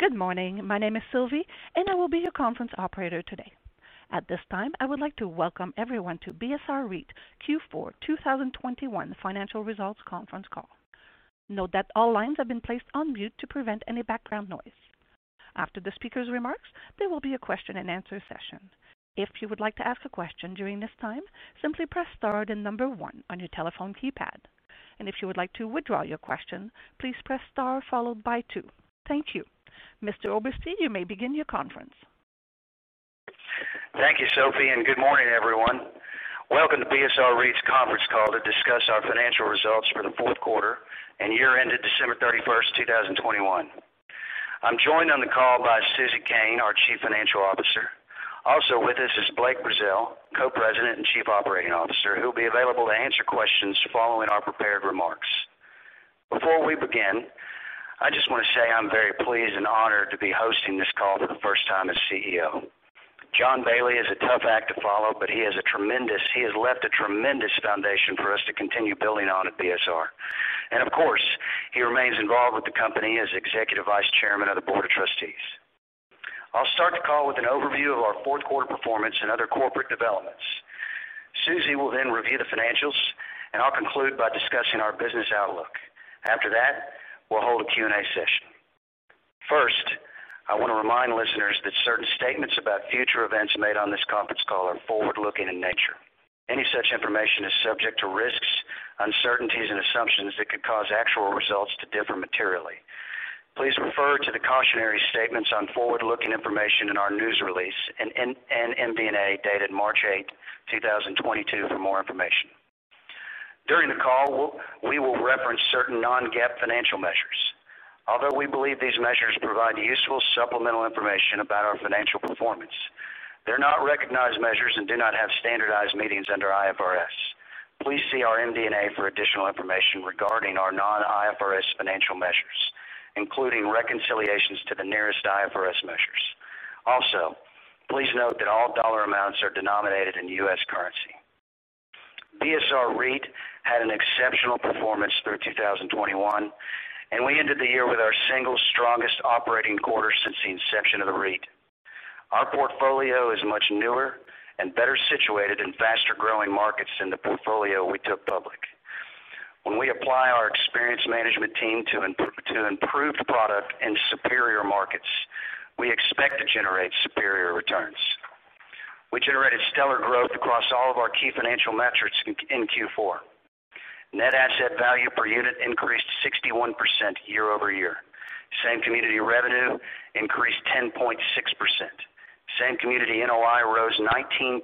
Good morning. My name is Sylvie, and I will be your conference operator today. At this time, I would like to welcome everyone to BSR REIT Q4 2021 Financial Results Conference Call. Note that all lines have been placed on mute to prevent any background noise. After the speaker's remarks, there will be a question-and-answer session. If you would like to ask a question during this time, simply press star then number one on your telephone keypad. If you would like to withdraw your question, please press star followed by two. Thank you. Mr. Oberste, you may begin your conference. Thank you, Sylvie, and good morning, everyone. Welcome to BSR REIT's conference call to discuss our financial results for the fourth quarter, and year ended December 31, 2021. I'm joined on the call by Susie Koehn, our Chief Financial Officer. Also with us is Blake Brazeal, Co-President and Chief Operating Officer, who will be available to answer questions following our prepared remarks. Before we begin, I just want to say I'm very pleased and honored to be hosting this call for the first time as CEO. John Bailey is a tough act to follow, but he has left a tremendous foundation for us to continue building on at BSR. Of course, he remains involved with the company as Executive Vice Chairman of the Board of Trustees. I'll start the call with an overview of our fourth quarter performance and other corporate developments. Susie will then review the financials, and I'll conclude by discussing our business outlook. After that, we'll hold a Q&A session. First, I want to remind listeners that certain statements about future events made on this conference call are forward-looking in nature. Any such information is subject to risks, uncertainties, and assumptions that could cause actual results to differ materially. Please refer to the cautionary statements on forward-looking information in our news release, and MD&A dated March eighth, 2022 for more information. During the call, we will reference certain non-GAAP financial measures. Although we believe these measures provide useful supplemental information about our financial performance, they're not recognized measures and do not have standardized meanings under IFRS. Please see our MD&A for additional information regarding our non-IFRS financial measures, including reconciliations to the nearest IFRS measures. Also, please note that all dollar amounts are denominated in U.S. currency. BSR REIT, had an exceptional performance through 2021, and we ended the year with our single strongest operating quarter since the inception of the REIT. Our portfolio is much newer and better situated in faster-growing markets than the portfolio we took public. When we apply our experienced management team to improved product and superior markets, we expect to generate superior returns. We generated stellar growth across all of our key financial metrics in Q4. Net asset value per unit increased 61% year-over-year. Same community revenue increased 10.6%. Same community NOI rose 19.3%,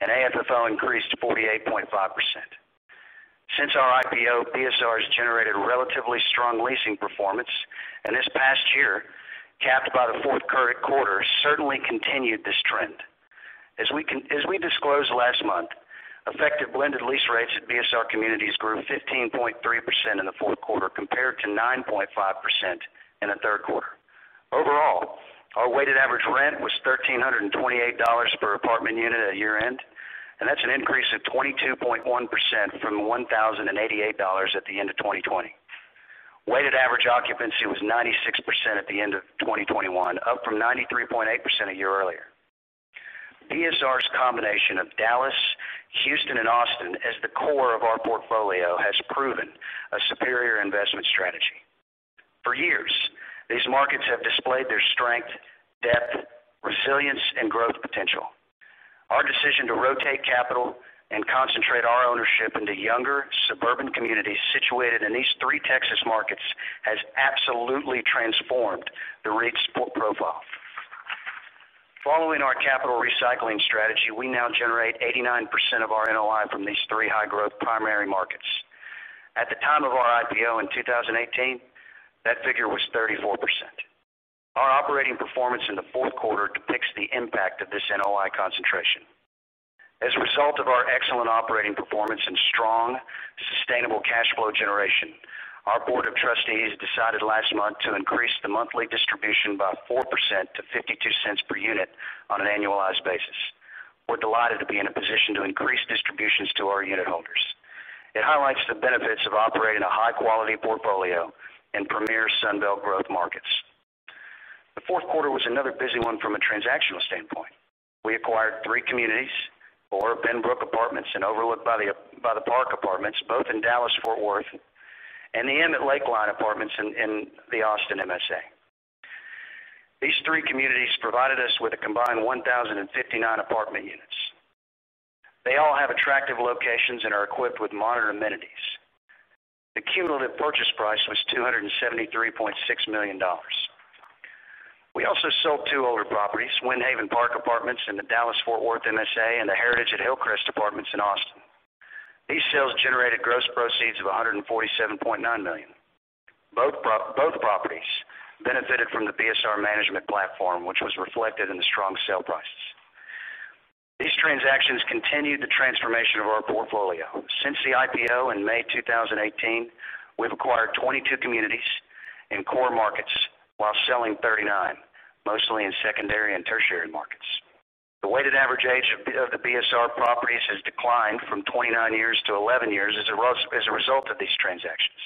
and AFFO increased 48.5%. Since our IPO, BSR has generated relatively strong leasing performance, and this past year, capped by the fourth quarter, certainly continued this trend. As we disclosed last month, effective blended lease rates at BSR Communities grew 15.3% in the fourth quarter, compared to 9.5% in the third quarter. Overall, our weighted average rent was $1,328 per apartment unit at year-end, and that's an increase of 22.1% from $1,088 at the end of 2020. Weighted average occupancy was 96% at the end of 2021, up from 93.8% a year earlier. BSR's combination of Dallas, Houston, and Austin as the core of our portfolio has proven a superior investment strategy. For years, these markets have displayed their strength, depth, resilience, and growth potential. Our decision to rotate capital, and concentrate our ownership into younger suburban communities situated in these three Texas markets has absolutely transformed the REIT's profile. Following our capital recycling strategy, we now generate 89% of our NOI from these three high-growth primary markets. At the time of our IPO in 2018, that figure was 34%. Our operating performance in the fourth quarter depicts the impact of this NOI concentration. As a result of our excellent operating performance and strong, sustainable cash flow generation, our board of trustees decided last month to increase the monthly distribution by 4% to $0.52 per unit, on an annualized basis. We're delighted to be in a position to increase distributions to our unit holders. It highlights the benefits of operating a high-quality portfolio in premier Sun Belt growth markets. The fourth quarter was another busy one from a transactional standpoint. We acquired three communities: Aura Benbrook Apartments and Overlook by the Park Apartments, both in Dallas-Fort Worth, and The M at Lakeline Apartments in the Austin MSA. These three communities provided us with a combined 1,059 apartment units. They all have attractive locations and are equipped with modern amenities. The cumulative purchase price was $273.6 million. We also sold two older properties, Windhaven Park Apartments in the Dallas-Fort Worth MSA and The Heritage at Hillcrest Apartments in Austin. These sales generated gross proceeds of $147.9 million. Both properties benefited from the BSR management platform, which was reflected in the strong sale prices. These transactions continued the transformation of our portfolio. Since the IPO in May 2018, we've acquired 22 communities, in core markets while selling 39, mostly in secondary and tertiary markets. The weighted average age of the BSR properties has declined from 29 years to 11 years as a result of these transactions.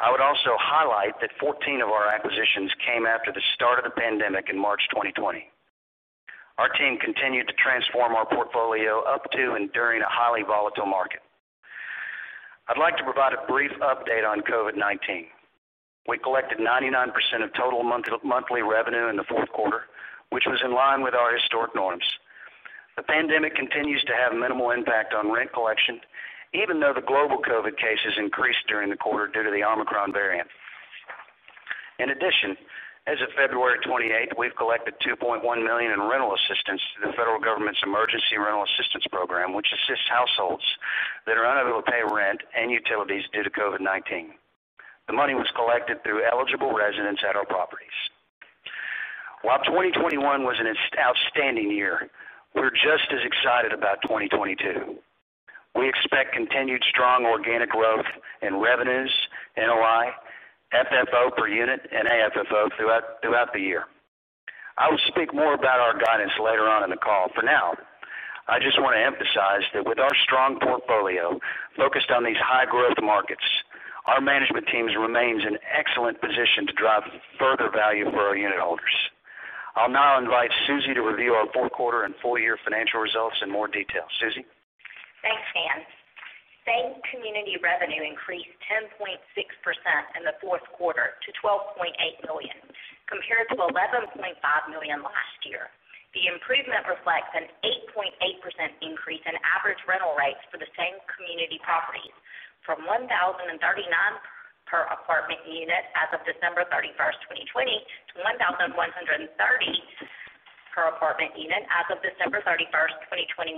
I would also highlight that 14 of our acquisitions came after the start of the pandemic in March 2020. Our team continued to transform our portfolio up to and during a highly volatile market. I'd like to provide a brief update on COVID-19. We collected 99% of total monthly revenue in the fourth quarter, which was in line with our historic norms. The pandemic continues to have minimal impact on rent collection, even though the global COVID cases increased during the quarter due to the Omicron variant. In addition, as of February 28, we've collected $2.1 million in rental assistance through the federal government's Emergency Rental Assistance Program, which assists households that are unable to pay rent and utilities due to COVID-19. The money was collected through eligible residents at our properties. While 2021 was an outstanding year, we're just as excited about 2022. We expect continued strong organic growth in revenues, NOI, FFO per unit, and AFFO throughout the year. I will speak more about our guidance later on in the call. For now, I just wanna emphasize that with our strong portfolio, focused on these high-growth markets, our management teams remains in excellent position to drive further value for our unitholders. I'll now invite Susie to review our fourth quarter and full year financial results in more detail. Susie? Thanks, Dan. Same community revenue increased 10.6% in the fourth quarter to $12.8 million, compared to $11.5 million last year. The improvement reflects an 8.8% increase in average rental rates for the same community properties, from $1,039 per apartment unit as of December 31, 2020, to $1,130 per apartment unit as of December 31, 2021,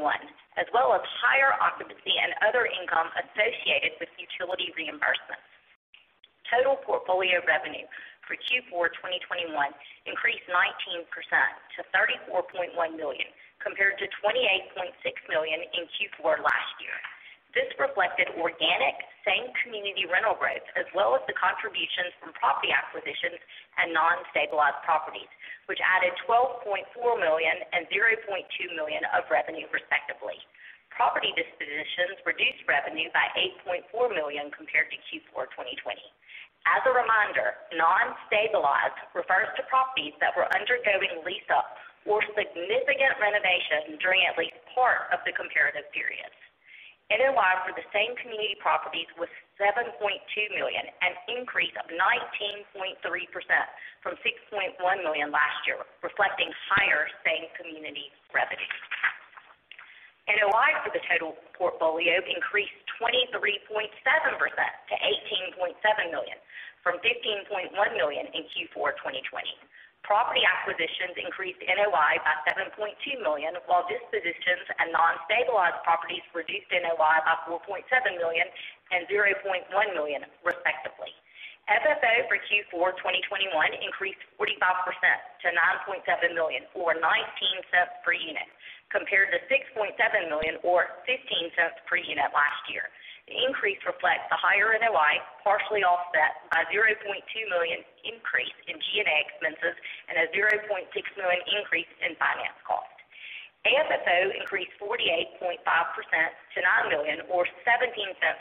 as well as higher occupancy and other income associated with utility reimbursements. Total portfolio revenue for Q4 2021, increased 19% to $34.1 million, compared to $28.6 million in Q4 last year. This reflected organic same community rental growth, as well as the contributions from property acquisitions and non-stabilized properties, which added $12.4 million and $0.2 million of revenue respectively. Property dispositions reduced revenue by $8.4 million compared to Q4 2020. As a reminder, non-stabilized refers to properties that were undergoing lease-up, or significant renovation during at least part of the comparative period. NOI for the same community properties was $7.2 million, an increase of 19.3% from $6.1 million last year, reflecting higher same community revenue. NOI for the total portfolio increased 23.7% to $18.7 million from $15.1 million in Q4 2020. Property acquisitions increased NOI by $7.2 million, while dispositions and non-stabilized properties reduced NOI by $4.7 million and $0.1 million respectively. FFO for Q4 2021 increased 45% to $9.7 million, or $0.19 per unit compared to $6.7 million or $0.15 per unit last year. The increase reflects the higher NOI partially offset by $0.2 million increase in G&A expenses, and a $0.6 million increase in finance cost. AFFO increased 48.5% to $9 million or $0.17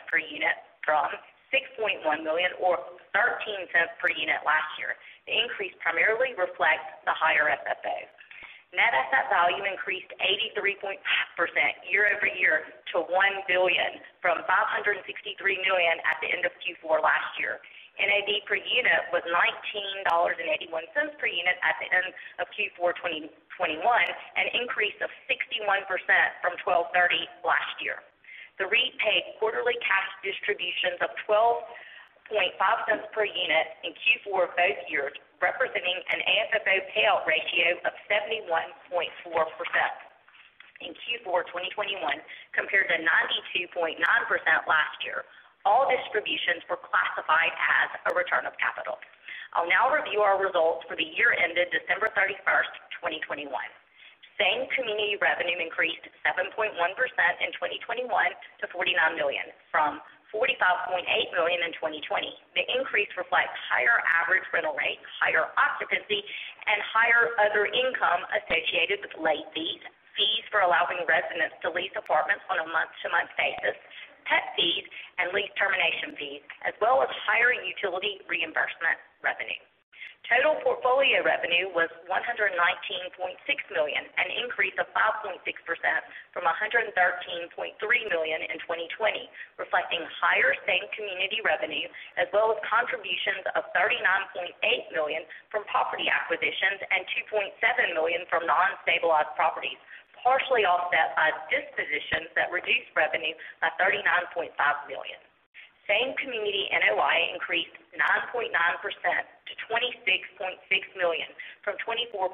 per unit from $6.1 million or $0.13 per unit last year. The increase primarily reflects the higher FFO. Net asset value increased 83.5% year-over-year, to $1 billion from $563 million at the end of Q4 last year. NAV per unit was $19.81 per unit at the end of Q4 2021, an increase of 61% from $12.30 last year. The REIT paid quarterly cash distributions of $0.125 per unit in Q4 of both years, representing an AFFO payout ratio of 71.4% in Q4 2021 compared to 92.9% last year. All distributions were classified as a return of capital. I'll now review our results for the year ended December 31, 2021. Same community revenue increased 7.1% in 2021 to $49 million from $45.8 million in 2020. The increase reflects higher average rental rates, higher occupancy, and higher other income associated with late fees for allowing residents to lease apartments on a month-to-month basis, pet fees, and lease termination fees, as well as higher utility reimbursement revenue. Total portfolio revenue was $119.6 million, an increase of 5.6% from $113.3 million in 2020, reflecting higher same community revenue as well as contributions of $39.8 million from property acquisitions and $2.7 million from non-stabilized properties, partially offset by dispositions that reduced revenue by $39.5 million. Same community NOI increased 9.9% to $26.6 million from $24.2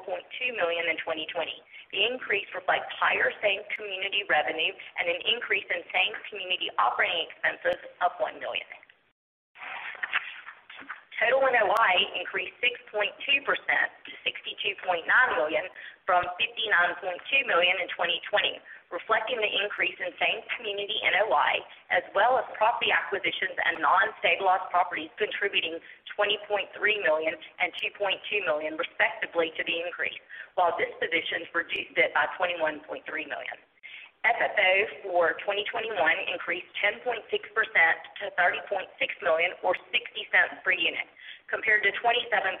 million in 2020. The increase reflects higher same community revenue and an increase in same community operating expenses of $1 million. Total NOI increased 6.2% to 62.9 million from 59.2 million in 2020, reflecting the increase in same community NOI as well as property acquisitions and non-stabilized properties contributing 20.3 million and 2.2 million respectively to the increase, while dispositions reduced it by 21.3 million. FFO for 2021 increased 10.6% to 30.6 million or 0.60 per unit, compared to 27.7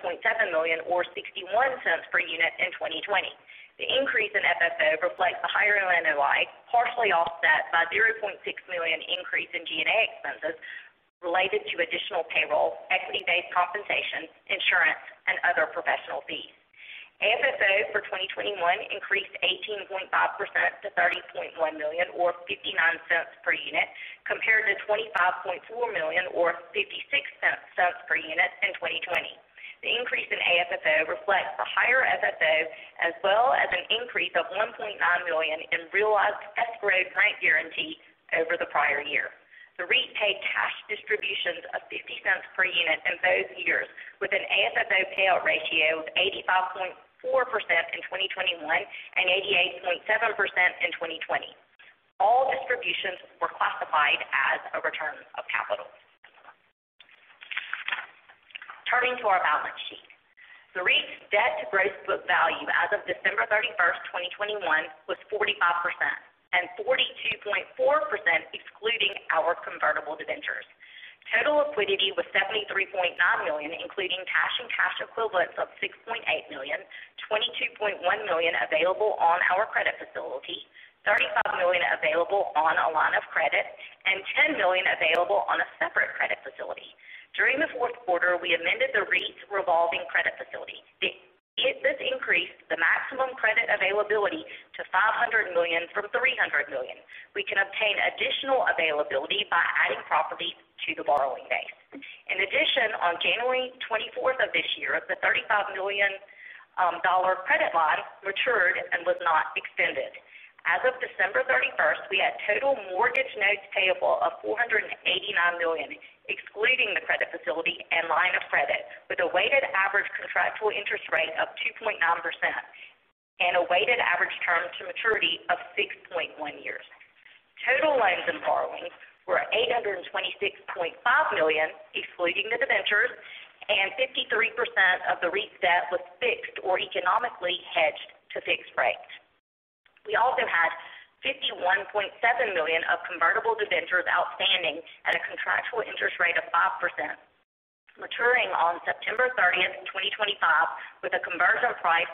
million or 0.61 per unit in 2020. The increase in FFO reflects the higher NOI, partially offset by 0.6 million increase in G&A expenses related to additional payroll, equity-based compensation, insurance, and other professional fees. AFFO for 2021 increased 18.5% to 30.1 million or 0.59 per unit, compared to 25.4 million or 0.56 per unit in 2020. The increase in AFFO reflects the higher FFO, as well as an increase of 1.9 million in realized escrowed rent guarantee over the prior year. The REIT paid cash distributions of 0.50 per unit in both years, with an AFFO payout ratio of 85.4% in 2021 and 88.7% in 2020. All distributions were classified as a return of capital. Turning to our balance sheet. The REIT's debt to gross book value as of December 31, 2021, was 45% and 42.4% excluding our convertible debentures. Total liquidity was 73.9 million, including cash and cash equivalents of 6.8 million, 22.1 million available on our credit facility, 35 million available on a line of credit, and 10 million available on a separate credit facility. During the fourth quarter, we amended the REIT's revolving credit facility. This increased the maximum credit availability to $500 million from $300 million. We can obtain additional availability by adding properties to the borrowing base. In addition, on January 24 of this year, the $35 million dollar credit line, matured and was not extended. As of December 31, we had total mortgage notes payable of $489 million, excluding the credit facility and line of credit, with a weighted average contractual interest rate of 2.9% and a weighted average term to maturity of 6.1 years. Total loans and borrowings were $826.5 million, excluding the debentures, and 53% of the REIT's debt was fixed or economically hedged to fixed rates. We also had $51.7 million of convertible debentures outstanding at a contractual interest rate of 5%, maturing on September 30, 2025, with a conversion price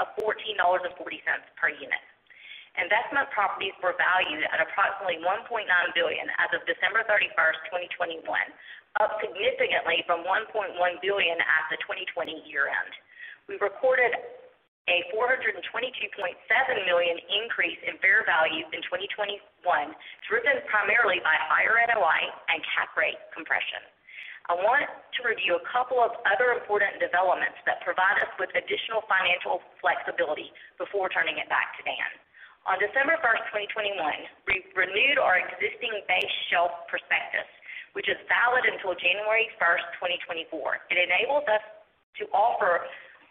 of $14.40 per unit. Investment properties were valued at approximately $1.9 billion as of December 31, 2021, up significantly from $1.1 billion at the 2020 year-end. We recorded a $422.7 million increase in fair value in 2021, driven primarily by higher NOI and cap rate compression. I want to review a couple of other important developments that provide us with additional financial flexibility before turning it back to Dan. On December 1, 2021, we renewed our existing base shelf prospectus, which is valid until January 1, 2024. It enables us to offer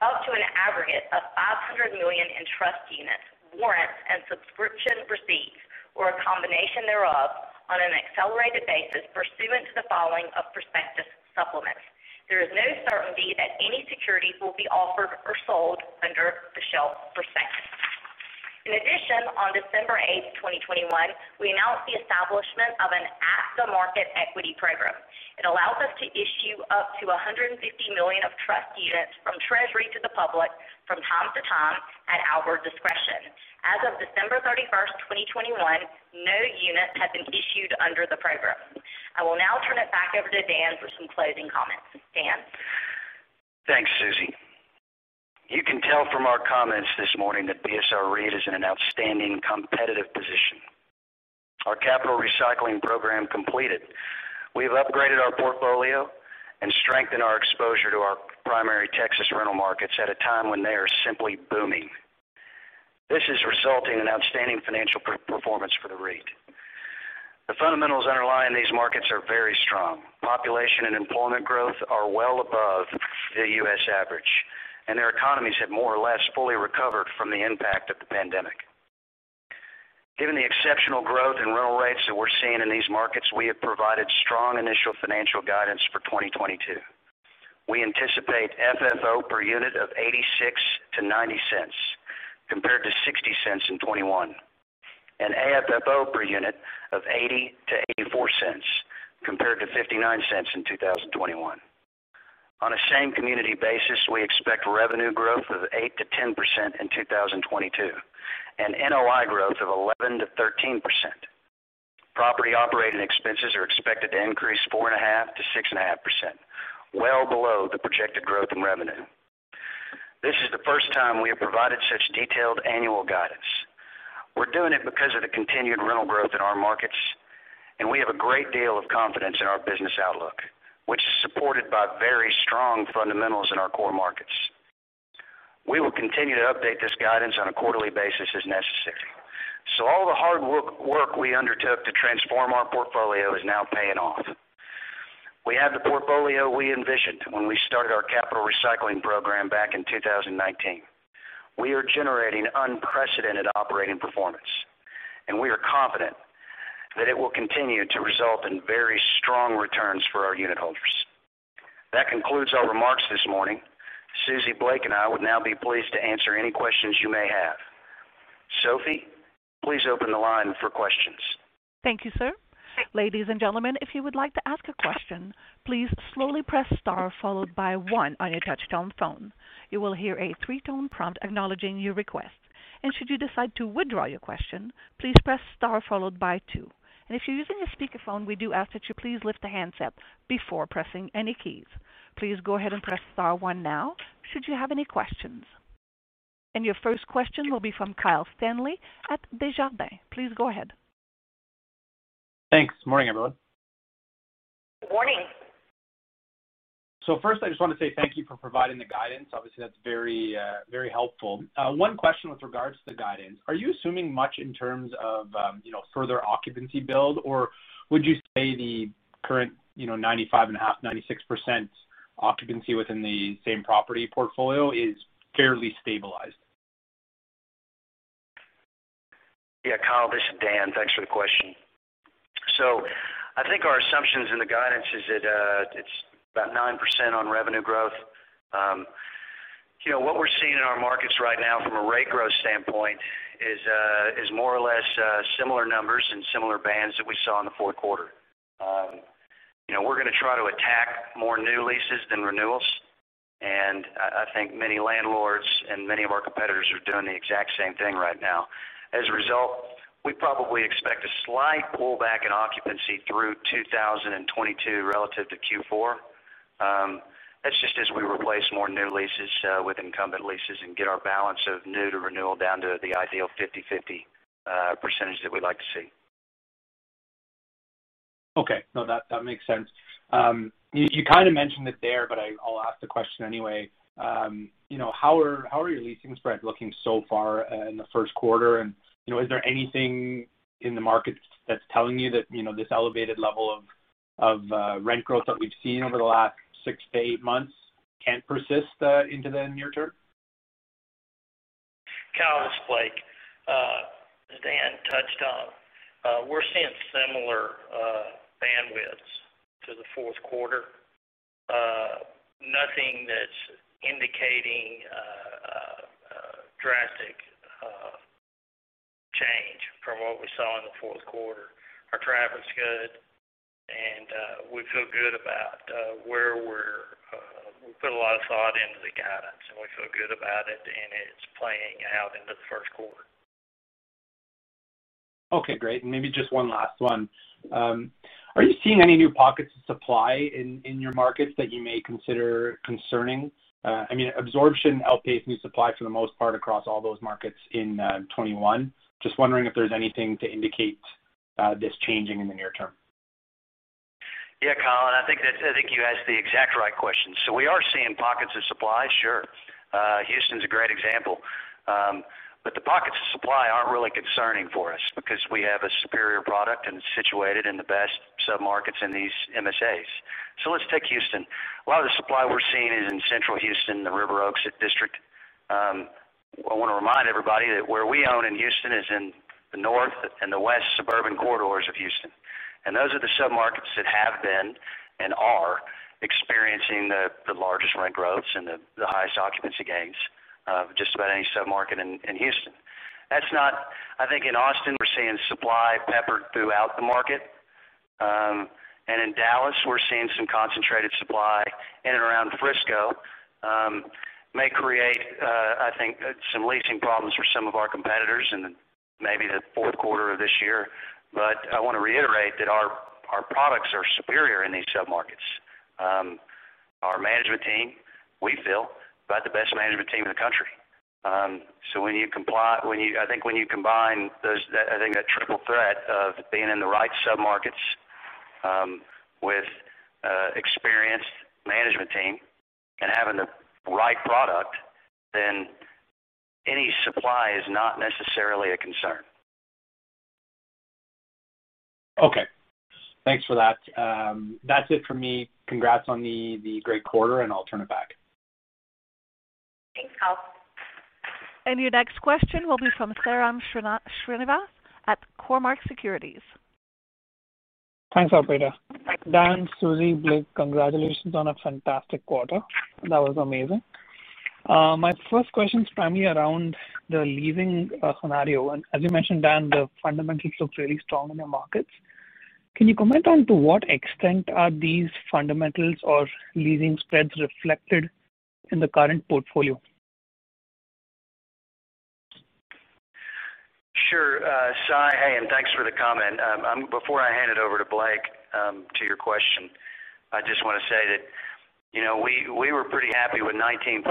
up to an aggregate of $500 million in trust units, warrants, and subscription receipts, or a combination thereof, on an accelerated basis pursuant to the filing of prospectus supplements. There is no certainty that any securities will be offered or sold under the shelf prospectus. In addition, on December 8, 2021, we announced the establishment of an at-the-market equity program. It allows us to issue up to $150 million of trust units from treasury to the public from time to time at our discretion. As of December 31, 2021, no units have been issued under the program. I will now turn it back over to Dan for some closing comments. Dan? Thanks, Susie. You can tell from our comments this morning that BSR REIT is in an outstanding competitive position. Our capital recycling program completed. We've upgraded our portfolio, and strengthened our exposure to our primary Texas rental markets at a time when they are simply booming. This is resulting in outstanding financial performance for the REIT. The fundamentals underlying these markets are very strong. Population and employment growth are well above the U.S. average, and their economies have more or less fully recovered from the impact of the pandemic. Given the exceptional growth in rental rates that we're seeing in these markets, we have provided strong initial financial guidance for 2022. We anticipate FFO per unit of $0.86-$0.90 compared to $0.60 in 2021, and AFFO per unit of $0.80-$0.84 compared to $0.59 in 2021. On a same-community basis, we expect revenue growth of 8%-10% in 2022 and NOI growth of 11%-13%. Property operating expenses are expected to increase 4.5%-6.5%, well below the projected growth in revenue. This is the first time we have provided such detailed annual guidance. We're doing it because of the continued rental growth in our markets, and we have a great deal of confidence in our business outlook, which is supported by very strong fundamentals in our core markets. We will continue to update this guidance on a quarterly basis as necessary. All the hard work we undertook to transform our portfolio is now paying off. We have the portfolio we envisioned when we started our capital recycling program back in 2019. We are generating unprecedented operating performance, and we are confident that it will continue to result in very strong returns for our unitholders. That concludes our remarks this morning. Susie, Blake, and I would now be pleased to answer any questions you may have. Sylvie, please open the line for questions. Thank you, sir. Ladies and gentlemen, if you would like to ask a question, please slowly press star followed by one on your touchtone phone. You will hear a three-tone prompt acknowledging your request. Should you decide to withdraw your question, please press star followed by two. If you're using a speakerphone, we do ask that you please lift the handset before pressing any keys. Please go ahead and press star one now, should you have any questions. Your first question will be from Kyle Stanley at Desjardins. Please go ahead. Thanks. Good morning, everyone. Morning. First, I just want to say thank you for providing the guidance. Obviously, that's very, very helpful. One question with regards to the guidance. Are you assuming much in terms of, you know, further occupancy build? Or would you say the current, you know, 95.5%-96% occupancy within the same property portfolio is fairly stabilized? Yeah. Kyle, this is Dan. Thanks for the question. I think our assumptions in the guidance is that it's about 9% on revenue growth. You know, what we're seeing in our markets right now from a rate growth standpoint, is more or less similar numbers and similar bands that we saw in the fourth quarter. You know, we're gonna try to attack more new leases than renewals, and I think many landlords and many of our competitors are doing the exact same thing right now. As a result, we probably expect a slight pullback in occupancy through 2022 relative to Q4. That's just as we replace more new leases with incumbent leases and get our balance of new to renewal down to the ideal 50/50 percentage that we'd like to see. Okay. No, that makes sense. You kind of mentioned it there, but I'll ask the question anyway. You know, how are your leasing spreads looking so far in the first quarter? You know, is there anything in the market that's telling you that this elevated level of rent growth that we've seen over the last six to eight months can't persist into the near term? Kyle, this is Blake. As Dan touched on, we're seeing similar bandwidths to the fourth quarter. Nothing that's indicating drastic change from what we saw in the fourth quarter. Our traffic's good, and we feel good about where we're. We put a lot of thought into the guidance, and we feel good about it, and it's playing out into the first quarter. Okay, great. Maybe just one last one. Are you seeing any new pockets of supply in your markets that you may consider concerning? I mean, absorption outpaced new supply for the most part across all those markets in 2021. Just wondering if there's anything to indicate this changing in the near term. Yeah, Kyle. I think you asked the exact right question. We are seeing pockets of supply, sure. Houston's a great example. The pockets of supply aren't really concerning for us, because we have a superior product, and it's situated in the best submarkets in these MSAs. Let's take Houston. A lot of the supply we're seeing is in Central Houston, the River Oaks District. I wanna remind everybody that where we own in Houston is in the north and the west suburban corridors of Houston, and those are the submarkets that have been and are experiencing the largest rent growths and the highest occupancy gains, of just about any submarket in Houston. I think in Austin, we're seeing supply peppered throughout the market. In Dallas, we're seeing some concentrated supply in and around Frisco. It may create, I think, some leasing problems for some of our competitors in, maybe, the fourth quarter of this year. I wanna reiterate that our products are superior in these submarkets. Our management team, we feel, about the best management team in the country. I think when you combine those, that, I think, that triple threat of being in the right submarkets with a experienced management team and having the right product, then any supply is not necessarily a concern. Okay. Thanks for that. That's it for me. Congrats on the great quarter, and I'll turn it back. Thanks, Kyle. Your next question will be from Sairam Srinivas at Cormark Securities. Thanks, operator. Dan, Susie, Blake, congratulations on a fantastic quarter. That was amazing. My first question is primarily around the leasing scenario. As you mentioned, Dan, the fundamentals look really strong in your markets. Can you comment on to what extent are these fundamentals or leasing spreads reflected in the current portfolio? Sure. Sairam, hey, and thanks for the comment. Before I hand it over to Blake, to your question, I just wanna say that, you know, we were pretty happy with 19.3%,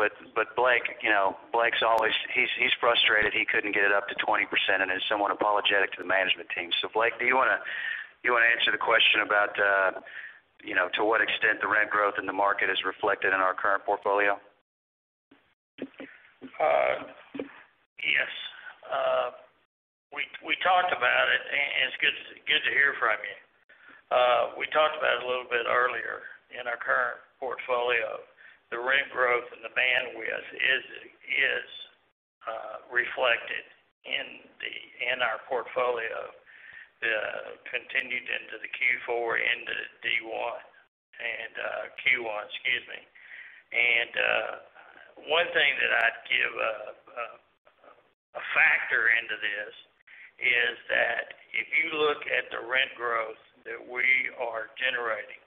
but Blake, you know, Blake's always. He's frustrated he couldn't get it up to 20% and is somewhat apologetic to the management team. Blake, do you wanna answer the question about, you know, to what extent the rent growth in the market is reflected in our current portfolio? Yes. We talked about it, and it's good to hear from you. We talked about it a little bit earlier in our current portfolio. The rent growth and the bandwidth is reflected in our portfolio continued into Q4 into Q1 and Q1. One thing that I'd give a factor into this is that if you look at the rent growth that we are generating,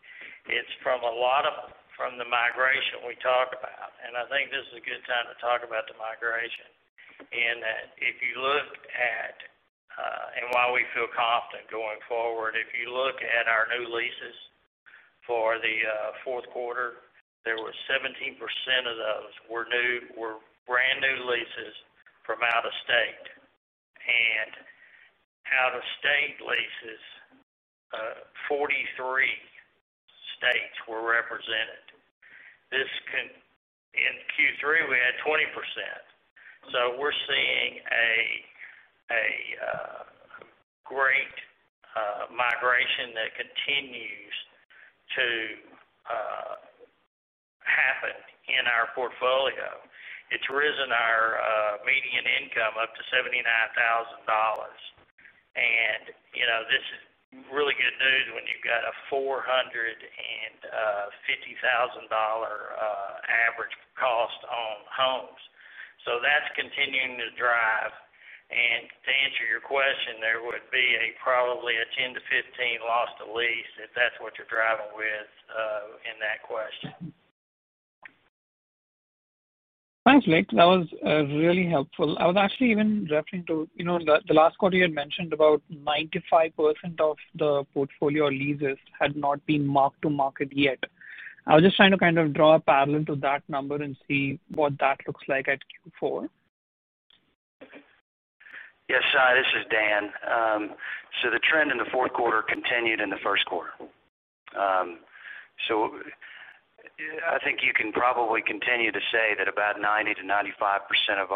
it's from the migration we talk about. I think this is a good time to talk about the migration, and that if you look at and why we feel confident going forward, if you look at our new leases for the fourth quarter, 17% of those were brand new leases from out of state. Out-of-state leases, 43 states were represented. In Q3, we had 20%. We're seeing a great migration that continues, to happen in our portfolio. It's risen our median income up to $79,000. You know, this is really good news when you've got a $450,000 average cost on homes. That's continuing to drive. To answer your question, there would be probably a 10-15 loss to lease, if that's what you're driving at in that question. Thanks, Blake. That was really helpful. I was actually even referring to, you know, the last quarter you had mentioned about 95% of the portfolio leases had not been marked to market yet. I was just trying to kind of draw a parallel to that number and see what that looks like at Q4. Yes, Sai, this is Dan. The trend in the fourth quarter continued in the first quarter. I think you can probably continue to say that about 90%-95% of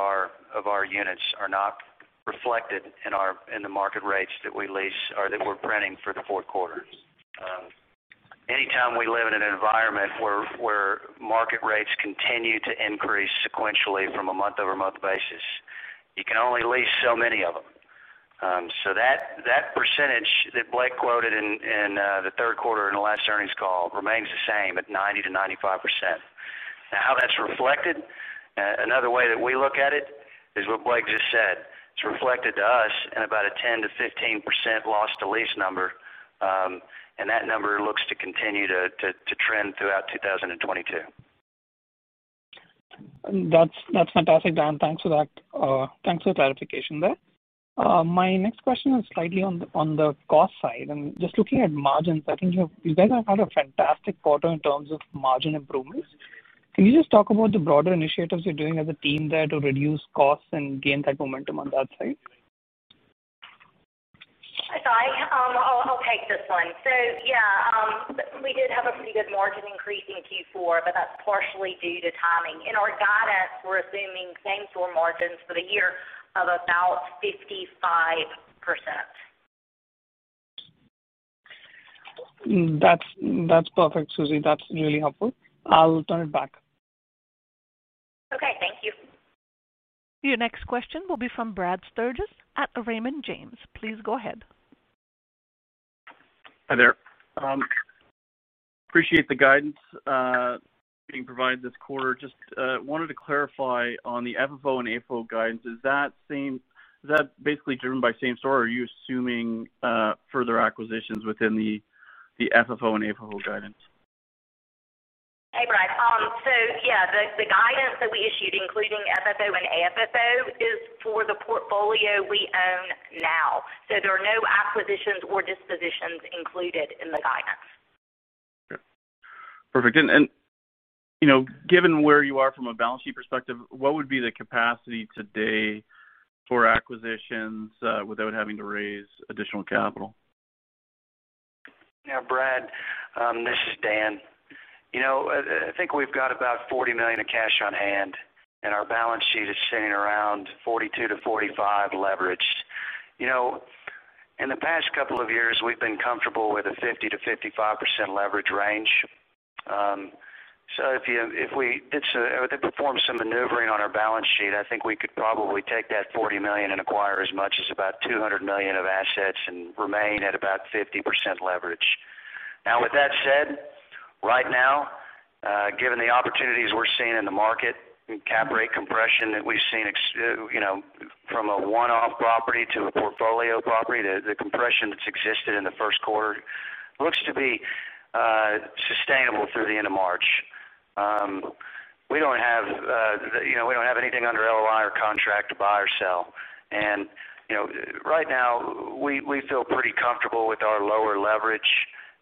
our units are not reflected in the market rates that we lease or that we're printing for the fourth quarter. Anytime we live in an environment where market rates continue to increase sequentially from a month-over-month basis, you can only lease so many of them. That percentage that Blake quoted, in the third quarter in the last earnings call remains the same at 90%-95%. Now, how that's reflected, another way that we look at it is what Blake just said. It's reflected to us in about a 10%-15% loss to lease number, and that number looks to continue to trend throughout 2022. That's fantastic, Dan. Thanks for that. Thanks for the clarification there. My next question is slightly on the cost side. Just looking at margins, I think you guys have had a fantastic quarter in terms of margin improvements. Can you just talk about the broader initiatives you're doing as a team there to reduce costs and gain that momentum on that side? Sai, I'll take this one. Yeah, we did have a pretty good margin increase in Q4, but that's partially due to timing. In our guidance, we're assuming same store margins for the year of about 55%. That's perfect, Susie. That's really helpful. I'll turn it back. Okay. Thank you. Your next question will be from Brad Sturges at Raymond James. Please go ahead. Hi there. Appreciate the guidance being provided this quarter. Just wanted to clarify on the FFO and AFFO guidance. Is that basically driven by same store, or are you assuming further acquisitions within the FFO and AFFO guidance? Hey, Brad. Yeah, the guidance that we issued, including FFO and AFFO, is for the portfolio we own now. There are no acquisitions or dispositions included in the guidance. Okay. Perfect. You know, given where you are from a balance sheet perspective, what would be the capacity today for acquisitions without having to raise additional capital? Yeah, Brad, this is Dan. You know, I think we've got about $40 million of cash on hand, and our balance sheet is sitting around 42%-45% leveraged. You know, in the past couple of years, we've been comfortable with a 50%-55% leverage range. So if we perform some maneuvering on our balance sheet, I think we could probably take that $40 million and acquire as much as about $200 million of assets and remain at about 50% leverage. Now, with that said, right now, given the opportunities we're seeing in the market and cap rate compression that we've seen especially from a one-off property to a portfolio property, the compression that's existed in the first quarter looks to be sustainable through the end of March. We don't have, you know, anything under LOI or contract to buy or sell. You know, right now we feel pretty comfortable with our lower leverage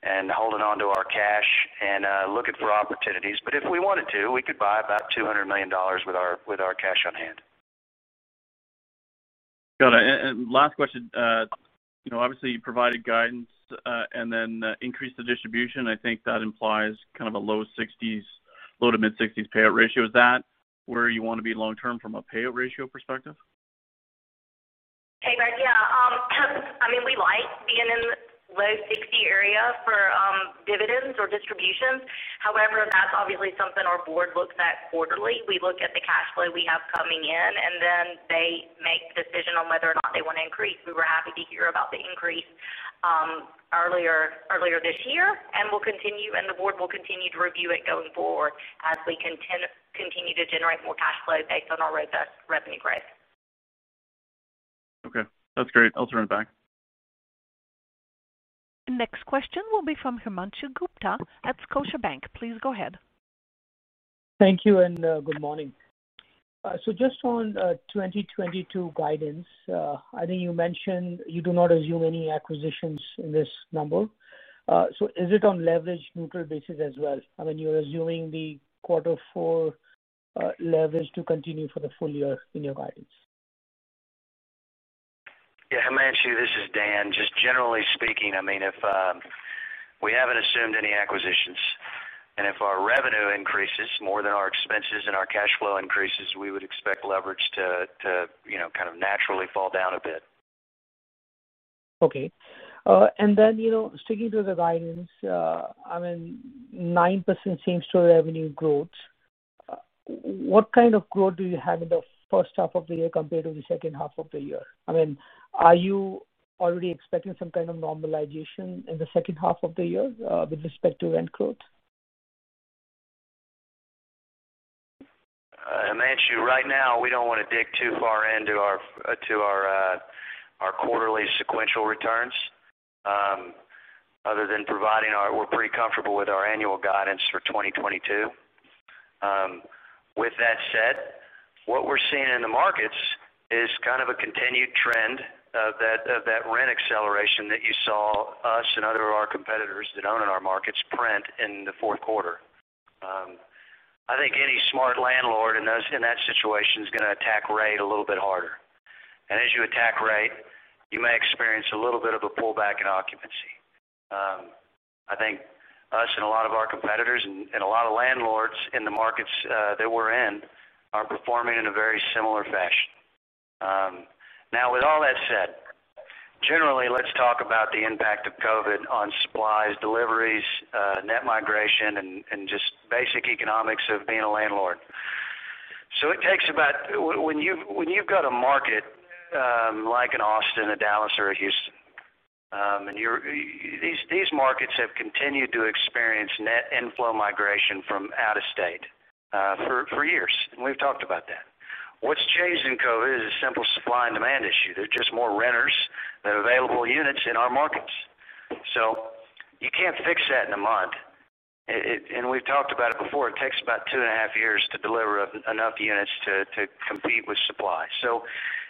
and holding on to our cash and looking for opportunities. If we wanted to, we could buy about $200 million with our cash on hand. Got it. Last question. You know, obviously you provided guidance, and then increased the distribution. I think that implies kind of a low 60s%-low- to mid-60s% payout ratio. Is that where you wanna be long term from a payout ratio perspective? Hey, Brad. Yeah. I mean, we like being in the low 60 area, for dividends or distributions. However, that's obviously something our board looks at quarterly. We look at the cash flow we have coming in, and then they make the decision on whether or not they wanna increase. We were happy to hear about the increase earlier this year, and we'll continue and the board will continue to review it going forward as we continue to generate more cash flow based on our revenue growth. Okay. That's great. I'll turn it back. Next question will be from Himanshu Gupta at Scotiabank. Please go ahead. Thank you, good morning. Just on 2022 guidance, I think you mentioned you do not assume any acquisitions in this number. Is it on leverage neutral basis as well? I mean, you're assuming the quarter four leverage to continue for the full year in your guidance. Yeah. Himanshu, this is Dan. Just generally speaking, I mean, if we haven't assumed any acquisitions, and if our revenue increases more than our expenses and our cash flow increases, we would expect leverage to, you know, kind of naturally fall down a bit. Okay. You know, sticking to the guidance, I mean, 9% same-store revenue growth, what kind of growth do you have in the first half of the year compared to the second half of the year? I mean, are you already expecting some kind of normalization in the second half of the year, with respect to rent growth? Himanshu, right now, we don't wanna dig too far into our quarterly sequential returns, other than providing our annual guidance for 2022. We're pretty comfortable with our annual guidance for 2022. With that said, what we're seeing in the markets is kind of a continued trend of that rent acceleration that you saw us and other of our competitors that own in our markets print in the fourth quarter. I think any smart landlord in that situation is gonna attack rent a little bit harder. As you attack rent, you may experience a little bit of a pullback in occupancy. I think us and a lot of our competitors and a lot of landlords in the markets that we're in are performing in a very similar fashion. Now with all that said, generally, let's talk about the impact of COVID on supplies, deliveries, net migration, and just basic economics of being a landlord. When you've got a market like in Austin or Dallas or Houston, these markets have continued to experience net inflow migration from out of state for years, and we've talked about that. What's changed in COVID is a simple supply and demand issue. There are just more renters than available units in our markets. You can't fix that in a month. We've talked about it before. It takes about 2.5 years to deliver enough units to compete with supply.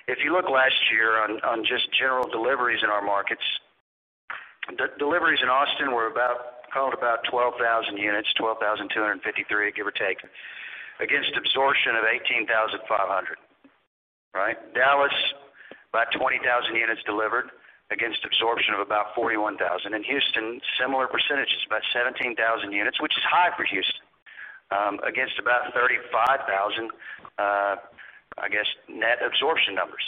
If you look last year on just general deliveries in our markets, deliveries in Austin were about, call it about 12,000 units, 12,253, give or take, against absorption of 18,500, right? Dallas, about 20,000 units delivered, against absorption of about 41,000. In Houston, similar percentages, about 17,000 units, which is high for Houston, against about 35,000, I guess, net absorption numbers.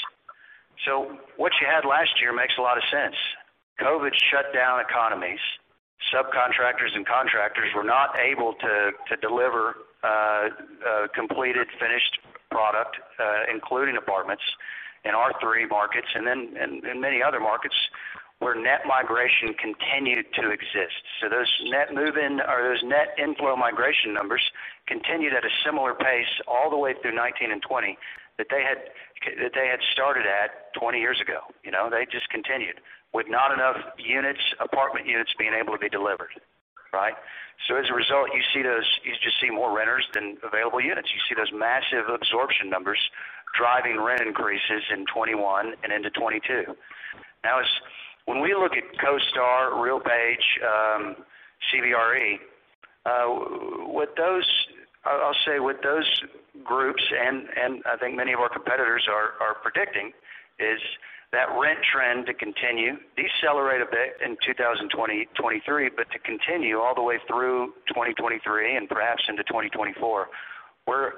What you had last year makes a lot of sense. COVID shut down economies. Subcontractors and contractors were not able to deliver completed, finished product, including apartments in our three markets and many other markets where net migration continued to exist. Those net move-in or those net inflow migration numbers continued at a similar pace all the way through 2019 and 2020 that they had started at 20 years ago. You know, they just continued with not enough units, apartment units being able to be delivered, right? As a result, you just see more renters than available units. You see those massive absorption numbers driving rent increases in 2021 and into 2022. Now when we look at CoStar, RealPage, CBRE, what those groups and I think many of our competitors are predicting is that rent trend to continue, decelerate a bit in 2023, but to continue all the way through 2023 and perhaps into 2024, where...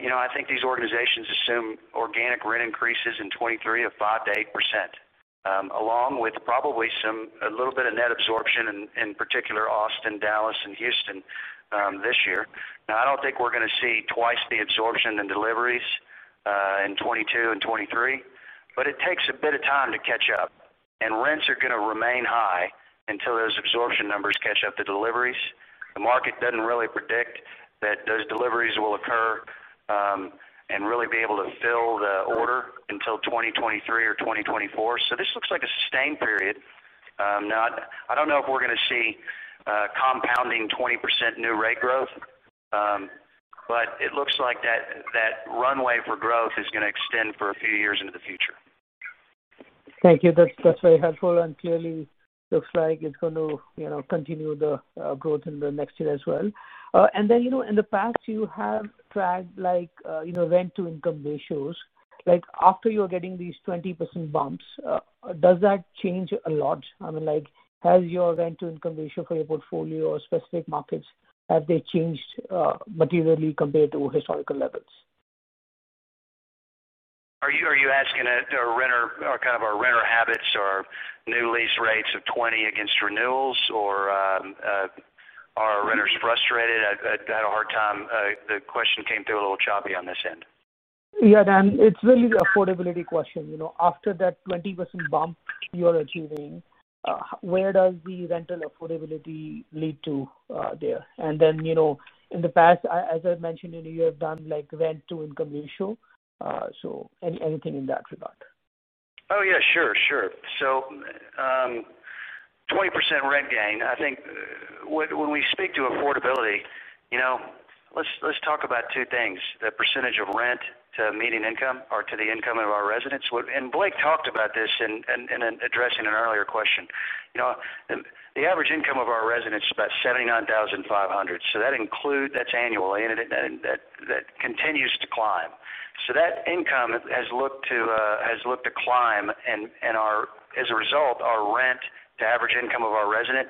You know, I think these organizations assume organic rent increases in 2023 of 5%-8%, along with probably a little bit of net absorption in particular Austin, Dallas, and Houston this year. Now, I don't think we're gonna see twice the absorption and deliveries, in 2022 and 2023, but it takes a bit of time to catch up, and rents are gonna remain high until those absorption numbers catch up to deliveries. The market doesn't really predict that those deliveries will occur and really be able to fill the order until 2023 or 2024. So this looks like a sustained period. Now I don't know if we're gonna see compounding 20% new rate growth, but it looks like that runway for growth is gonna extend for a few years into the future. Thank you. That's very helpful, and clearly looks like it's going to, you know, continue the growth in the next year as well. Then, you know, in the past you have tracked like, you know, rent-to-income ratios. Like, after you're getting these 20% bumps, does that change a lot? I mean, like, has your rent-to-income ratio for your portfolio or specific markets, have they changed materially compared to historical levels? Are you asking a renter or kind of our renter habits or new lease rates of 20 against renewals? Or, are renters frustrated? I had a hard time. The question came through a little choppy on this end. Yeah, Dan. It's really the affordability question. You know, after that 20% bump, you're achieving, where does the rental affordability lead to, there? Then, you know, in the past, as I mentioned earlier, you have done like rent to income ratio. Anything in that regard? Oh, yeah. Sure, sure. 20% rent gain, I think when we speak to affordability, you know, let's talk about two things, the percentage of rent to median income or to the income of our residents. Blake talked about this in addressing an earlier question. You know, the average income of our residents is about 79,500. That's annually, and that continues to climb. That income has looked to climb and, as a result, our rent to average income of our resident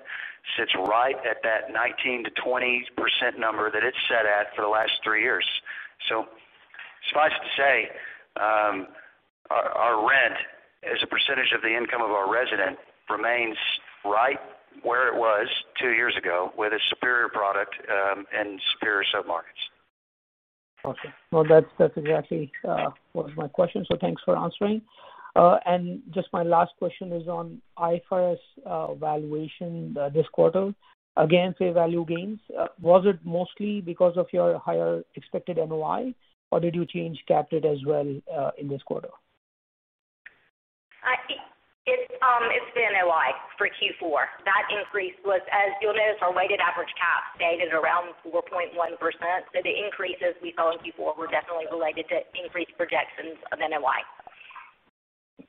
sits right at that 19%-20% number that it's set at for the last three years. Suffice to say, our rent, as a percentage of the income of our resident remains right where it was two years ago with a superior product, and superior sub-markets. Okay. No, that's exactly what was my question, so thanks for answering. Just my last question is on IFRS valuation this quarter. Again, the value gains, was it mostly because of your higher expected NOI, or did you change cap rate as well in this quarter? It's been NOI for Q4. That increase was, as you'll notice, our weighted average cap stayed at around 4.1%. The increases we saw in Q4 were definitely related to increased projections of NOI.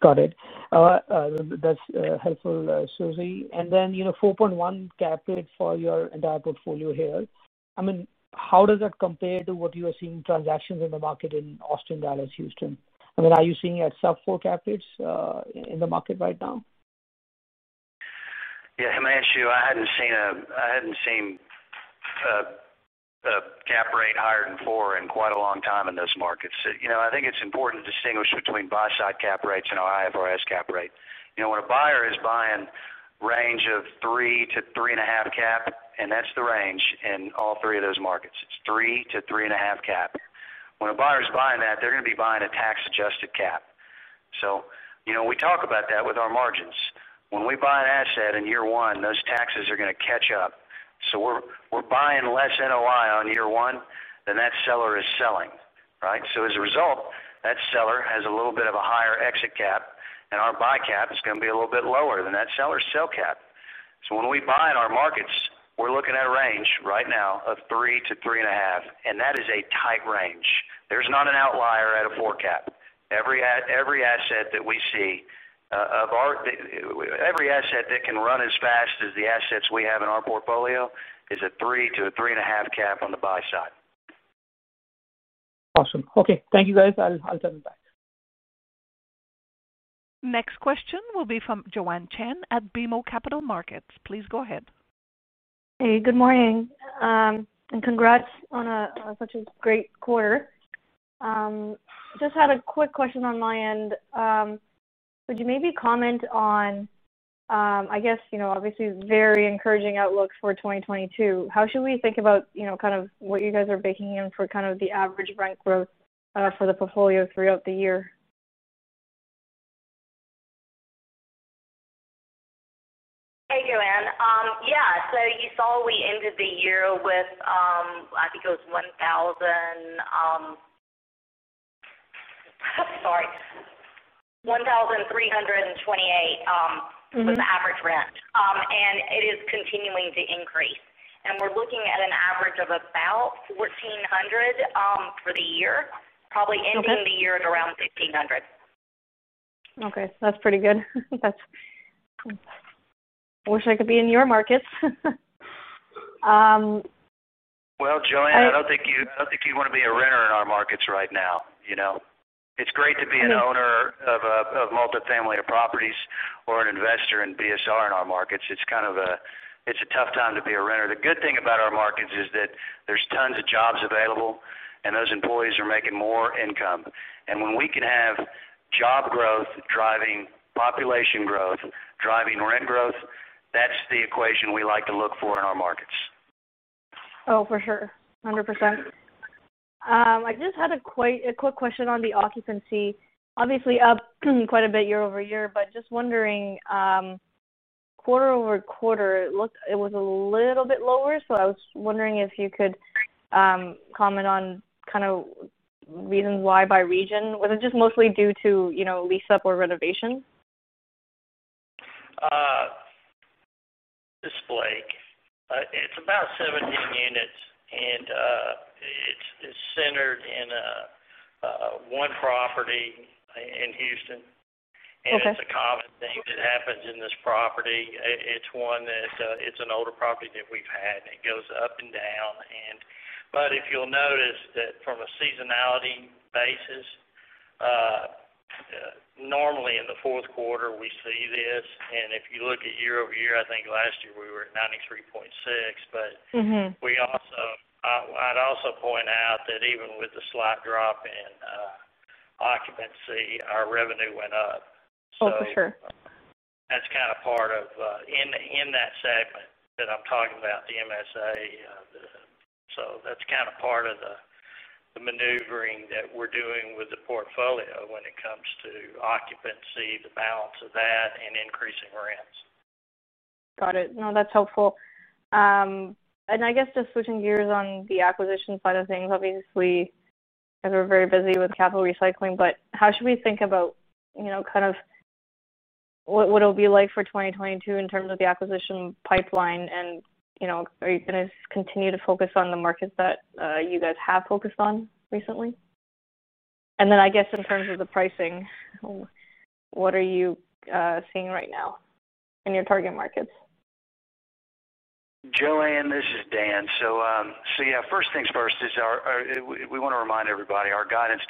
Got it. That's helpful, Susie. You know, 4.1 cap rate for your entire portfolio here. I mean, how does that compare to what you are seeing in transactions in the market in Austin, Dallas, Houston? I mean, are you seeing sub-4 cap rates in the market right now? Yeah. Himanshu, I hadn't seen a cap rate higher than 4% in quite a long time in those markets. You know, I think it's important to distinguish between buy-side cap rates and our IFRS cap rate. You know, when a buyer is buying range of 3%-3.5% cap, and that's the range in all three of those markets. It's 3%-3.5% cap. When a buyer's buying that, they're gonna be buying a tax-adjusted cap. You know, we talk about that with our margins. When we buy an asset in year one, those taxes are gonna catch up. We're buying less NOI on year one than that seller is selling, right? As a result, that seller has a little bit of a higher exit cap, and our buy cap is gonna be a little bit lower than that seller's sell cap. When we buy in our markets, we're looking at a range right now of 3-3.5, and that is a tight range. There's not an outlier at a 4 cap. Every asset that can run as fast as the assets we have in our portfolio is a 3-3.5 cap on the buy side. Awesome. Okay. Thank you, guys. I'll send it back. Next question will be from Joanne Chen at BMO Capital Markets. Please go ahead. Hey, good morning. Congrats on such a great quarter. Just had a quick question on my end. Would you maybe comment on, I guess, you know, obviously very encouraging outlook for 2022? How should we think about, you know, kind of what you guys are baking in for kind of the average rent growth for the portfolio throughout the year? Hey, Joanne. Yeah. You saw we ended the year with, I think it was 1,328. Mm-hmm. was the average rent. It is continuing to increase. We're looking at an average of about $1,400 for the year, probably ending Okay. the year at around 1,500. Okay. That's pretty good. Wish I could be in your markets. Well, Joanne. I- I don't think you wanna be a renter in our markets right now, you know. It's great to be an owner. Mm-hmm. of multi-family properties or an investor in BSR in our markets. It's kind of a tough time to be a renter. The good thing about our markets is that there's tons of jobs available, and those employees are making more income. When we can have job growth driving population growth, driving rent growth, that's the equation we like to look for in our markets. Oh, for sure. 100%. I just had a quick question on the occupancy. Obviously up quite a bit year-over-year, but just wondering, quarter-over-quarter, it looked like it was a little bit lower. I was wondering if you could comment on kind of reasons why by region. Was it just mostly due to, you know, lease up or renovation? This is Blake. It's about 17 units, and it's centered in one property in Houston. Okay. It's a common thing that happens in this property. It's one that, it's an older property that we've had, and it goes up and down. If you'll notice that from a seasonality basis. Normally in the fourth quarter, we see this. If you look at year-over-year, I think last year we were at 93.6. Mm-hmm. We also, I'd also point out that even with the slight drop in occupancy, our revenue went up. Oh, for sure. In that segment that I'm talking about, the MSA, that's kind of part of the maneuvering that we're doing with the portfolio when it comes to occupancy, the balance of that, and increasing rents. Got it. No, that's helpful. I guess just switching gears on the acquisition side of things, obviously, you guys are very busy with capital recycling. How should we think about, you know, kind of what it'll be like for 2022 in terms of the acquisition pipeline and, you know, are you gonna continue to focus on the markets that you guys have focused on recently? Then I guess in terms of the pricing, what are you seeing right now in your target markets? Joanne, this is Dan. Yeah, first things first is our, we wanna remind everybody, our guidance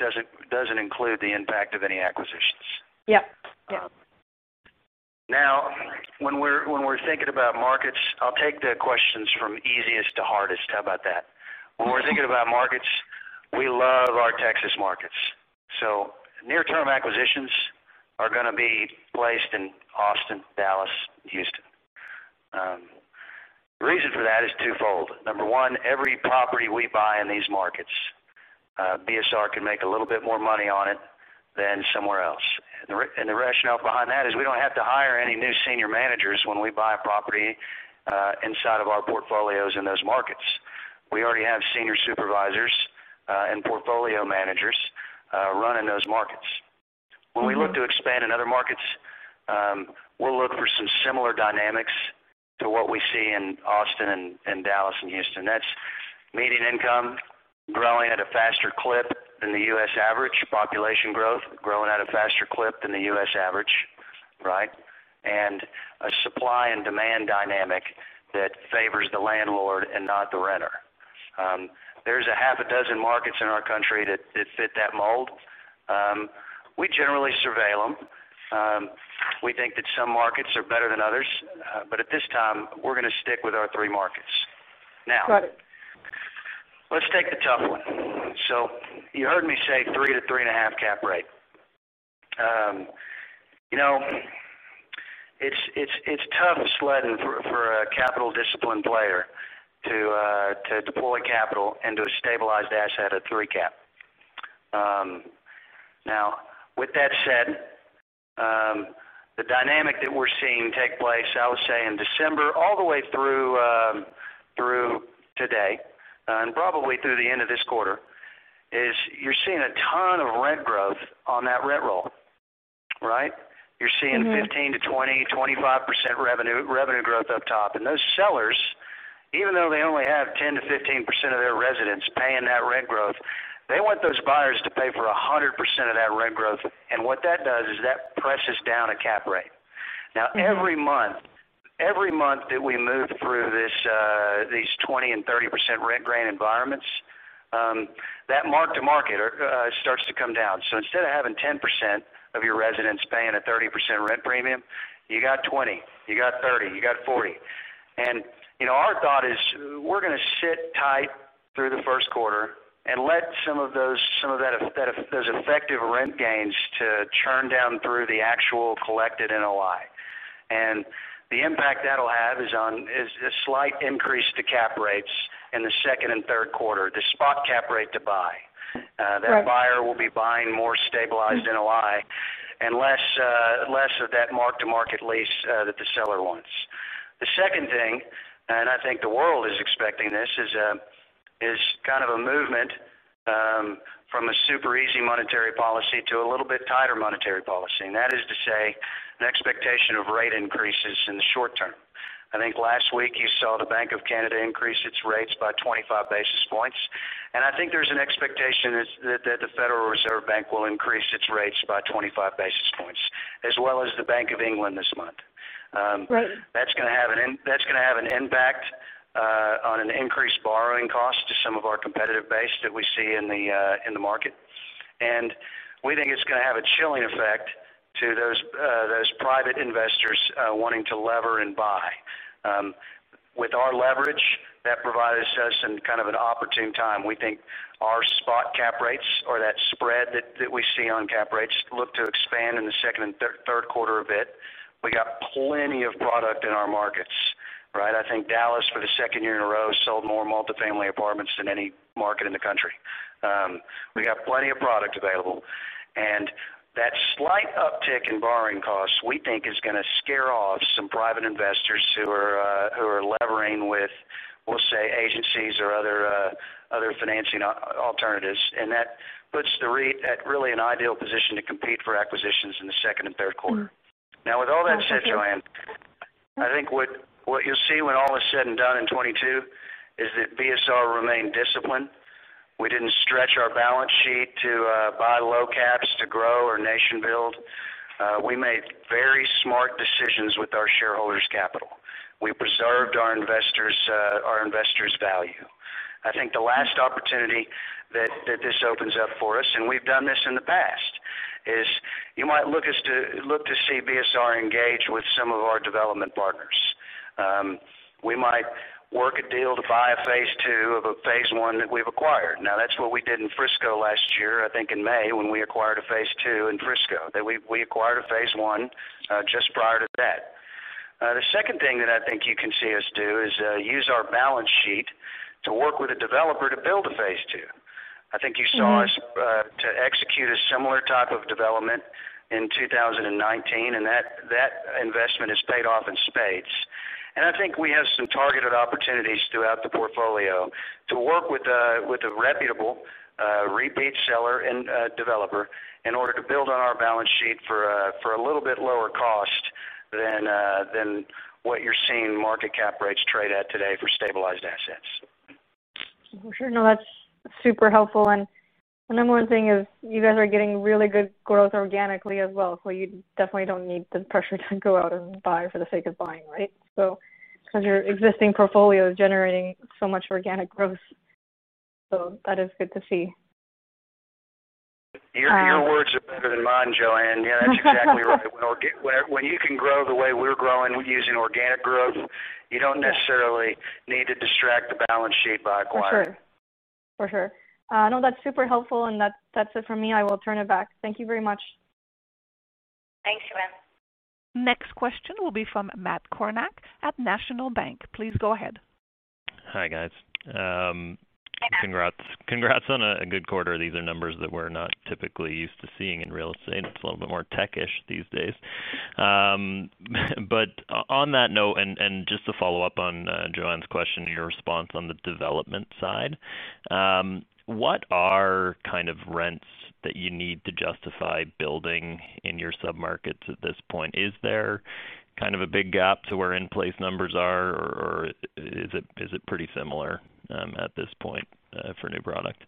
doesn't include the impact of any acquisitions. Yep. Yep. Now when we're thinking about markets, I'll take the questions from easiest to hardest. How about that? Sure. When we're thinking about markets, we love our Texas markets. Near-term acquisitions are gonna be placed in Austin, Dallas, Houston. The reason for that is twofold. Number one, every property we buy in these markets, BSR can make a little bit more money on it than somewhere else. And the rationale behind that is we don't have to hire any new senior managers when we buy a property inside of our portfolios in those markets. We already have senior supervisors and portfolio managers running those markets. Mm-hmm. When we look to expand in other markets, we'll look for some similar dynamics to what we see in Austin and Dallas and Houston. That's median income growing at a faster clip than the U.S. average, population growth growing at a faster clip than the U.S. average, right? A supply and demand dynamic that favors the landlord and not the renter. There's a half a dozen markets in our country that fit that mold. We generally surveil them. We think that some markets are better than others. But at this time, we're gonna stick with our three markets. Now Got it. Let's take the tough one. You heard me say three-3.5 cap rate. You know, it's tough sledding for a capital discipline player, to deploy capital into a stabilized asset at three cap. Now with that said, the dynamic that we're seeing take place, I would say in December all the way through today, and probably through the end of this quarter, is you're seeing a ton of rent growth on that rent roll, right? Mm-hmm. You're seeing 15-25% revenue growth up top. Those sellers, even though they only have 10-15% of their residents paying that rent growth, they want those buyers to pay for 100% of that rent growth. What that does is that presses down a cap rate. Mm-hmm. Now, every month that we move through this, these 20% and 30% rent growth environments, that mark-to-market starts to come down. So instead of having 10% of your residents paying a 30% rent premium, you got 20%, you got 30%, you got 40%. You know, our thought is we're gonna sit tight through the first quarter, and let some of those effective rent gains to churn down through the actual collected NOI. The impact that'll have is a slight increase to cap rates in the second and third quarter, the spot cap rate to buy. Right. That buyer will be buying more stabilized NOI, and less of that mark-to-market lease that the seller wants. The second thing, and I think the world is expecting this, is kind of a movement from a super easy monetary policy to a little bit tighter monetary policy. That is to say, an expectation of rate increases in the short term. I think last week you saw the Bank of Canada increase its rates by 25 basis points. I think there's an expectation that the Federal Reserve Bank will increase its rates by 25 basis points, as well as the Bank of England this month. Right. That's gonna have an impact, on an increased borrowing cost to some of our competitive base that we see in the market. We think it's gonna have a chilling effect to those private investors wanting to lever and buy. With our leverage, that provides us in kind of an opportune time. We think our spot cap rates or that spread that we see on cap rates look to expand in the second and third quarter a bit. We got plenty of product in our markets, right? I think Dallas, for the second year in a row, sold more multi-family apartments than any market in the country. We got plenty of product available. That slight uptick in borrowing costs, we think is gonna scare off some private investors who are levering with, we'll say, agencies or other financing alternatives. That puts the REIT at really an ideal position to compete for acquisitions in the second and third quarter. Mm-hmm. Now, with all that said, Joanne- Absolutely. I think what you'll see when all is said and done in 2022, is that BSR remained disciplined. We didn't stretch our balance sheet to buy low caps to grow or nation build. We made very smart decisions with our shareholders' capital. We preserved our investors' value. I think the last opportunity that this opens up for us, and we've done this in the past, is you might look to see BSR engage with some of our development partners. We might work a deal to buy a phase two of a phase one that we've acquired. Now, that's what we did in Frisco last year, I think in May, when we acquired a phase two in Frisco. That we acquired a phase one just prior to that. The second thing that I think you can see us do is use our balance sheet to work with a developer to build a phase two. I think you saw us- Mm-hmm. To execute a similar type of development in 2019, and that investment has paid off in spades. I think we have some targeted opportunities throughout the portfolio, to work with a reputable repeat seller and developer, in order to build on our balance sheet for a little bit lower cost than what you're seeing market cap rates trade at today for stabilized assets. Sure. No, that's super helpful. The number one thing is you guys are getting really good growth organically as well. You definitely don't need the pressure to go out and buy for the sake of buying, right? Because your existing portfolio is generating so much organic growth. That is good to see. Your words are better than mine, Joanne. Yeah, that's exactly right. When you can grow the way we're growing using organic growth. Yeah. You don't necessarily need to distort the balance sheet by acquiring. For sure. No, that's super helpful. That's it for me. I will turn it back. Thank you very much. Thanks, Joanne. Next question will be from Matt Kornack at National Bank. Please go ahead. Hi, guys. Hey, Matt. Congrats on a good quarter. These are numbers that we're not typically used to seeing in real estate. It's a little bit more tech-ish these days. On that note and just to follow up on Joanne's question, your response on the development side, what kind of rents that you need to justify building in your submarkets at this point? Is there kind of a big gap to where in-place numbers are, or is it pretty similar at this point for new product?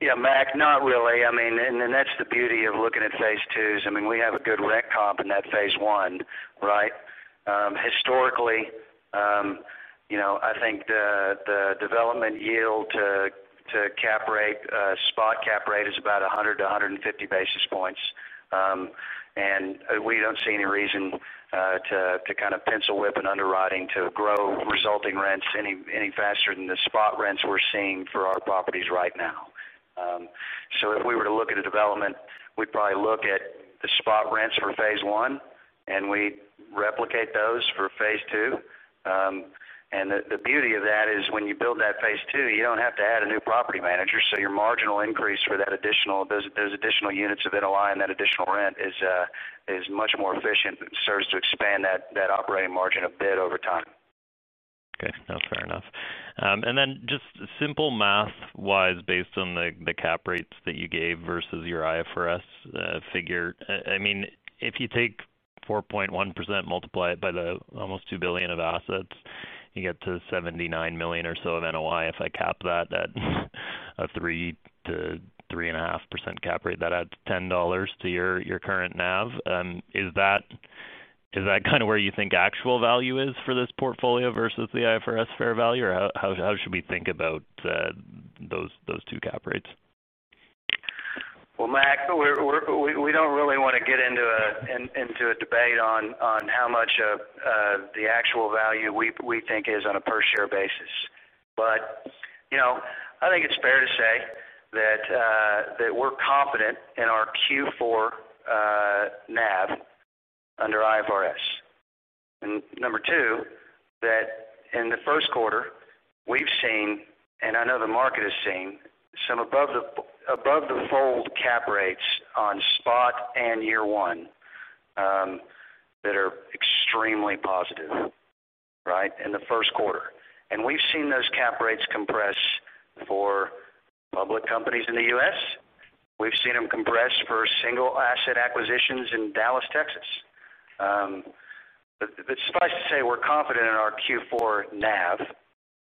Yeah, Matt, not really. I mean, that's the beauty of looking at phase twos. I mean, we have a good rec comp in that phase one, right? Historically, you know, I think the development yield to cap rate, spot cap rate is about 100-150 basis points. We don't see any reason to kind of pencil whip an underwriting to grow resulting rents any faster than the spot rents we're seeing for our properties right now. If we were to look at a development, we'd probably look at the spot rents for phase one, and we'd replicate those for phase two. The beauty of that is when you build that phase two, you don't have to add a new property manager, so your marginal increase for those additional units of NOI and that additional rent is much more efficient and serves to expand that operating margin a bit over time. Okay. No, fair enough. Then just simple math-wise, based on the cap rates that you gave versus your IFRS figure, I mean, if you take 4.1%, multiply it by the almost $2 billion of assets, you get to $79 million or so of NOI. If I cap that at a 3%-3.5% cap rate, that adds $10 to your current NAV. Is that kind of where you think actual value is for this portfolio versus the IFRS fair value? Or how should we think about those two cap rates? Well, Matt, we don't really wanna get into a debate on how much the actual value we think is on a per share basis. You know, I think it's fair to say that we're confident in our Q4 NAV under IFRS. Number two, that in the first quarter, we've seen, and I know the market has seen, some above the fold cap rates on spot and year one that are extremely positive, right, in the first quarter. We've seen those cap rates compress for public companies in the U.S. We've seen them compress for single asset acquisitions in Dallas, Texas. But suffice to say, we're confident in our Q4 NAV,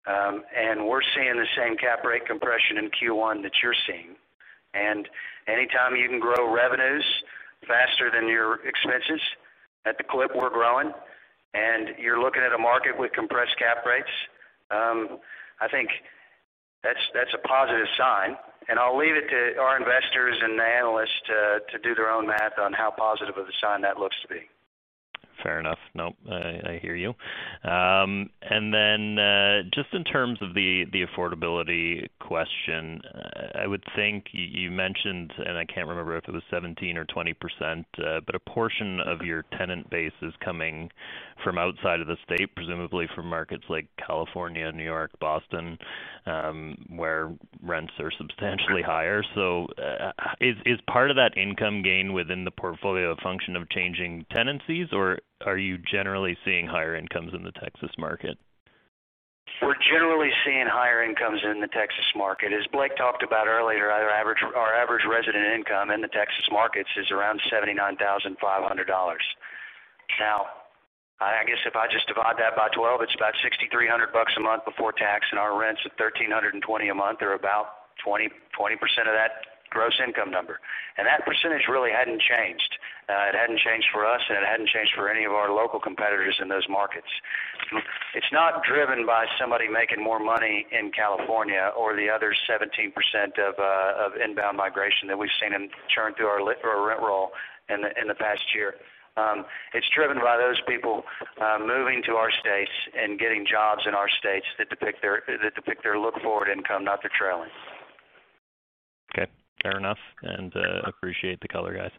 and we're seeing the same cap rate compression in Q1 that you're seeing. Anytime you can grow revenues, faster than your expenses at the clip we're growing, and you're looking at a market with compressed cap rates, I think that's a positive sign. I'll leave it to our investors and the analysts to do their own math on how positive of a sign that looks to be. Fair enough. No, I hear you. Just in terms of the affordability question, I would think you mentioned, and I can't remember if it was 17% or 20%, but a portion of your tenant base is coming from outside of the state, presumably from markets like California, New York, Boston, where rents are substantially higher. Is part of that income gain within the portfolio a function of changing tenancies, or are you generally seeing higher incomes in the Texas market? We're generally seeing higher incomes in the Texas market. As Blake talked about earlier, our average resident income in the Texas markets is around $79,500. Now, I guess if I just divide that by twelve, it's about $6,300 a month before tax, and our rents at $1,320 a month are about 20% of that gross income number. That percentage really hadn't changed. It hadn't changed for us, and it hadn't changed for any of our local competitors in those markets. It's not driven by somebody making more money in California or the other 17% of inbound migration that we've seen them churn through our rent roll in the past year. It's driven by those people moving to our states and getting jobs in our states that reflect their forward-looking income, not their trailing. Okay, fair enough, and appreciate the color, guys.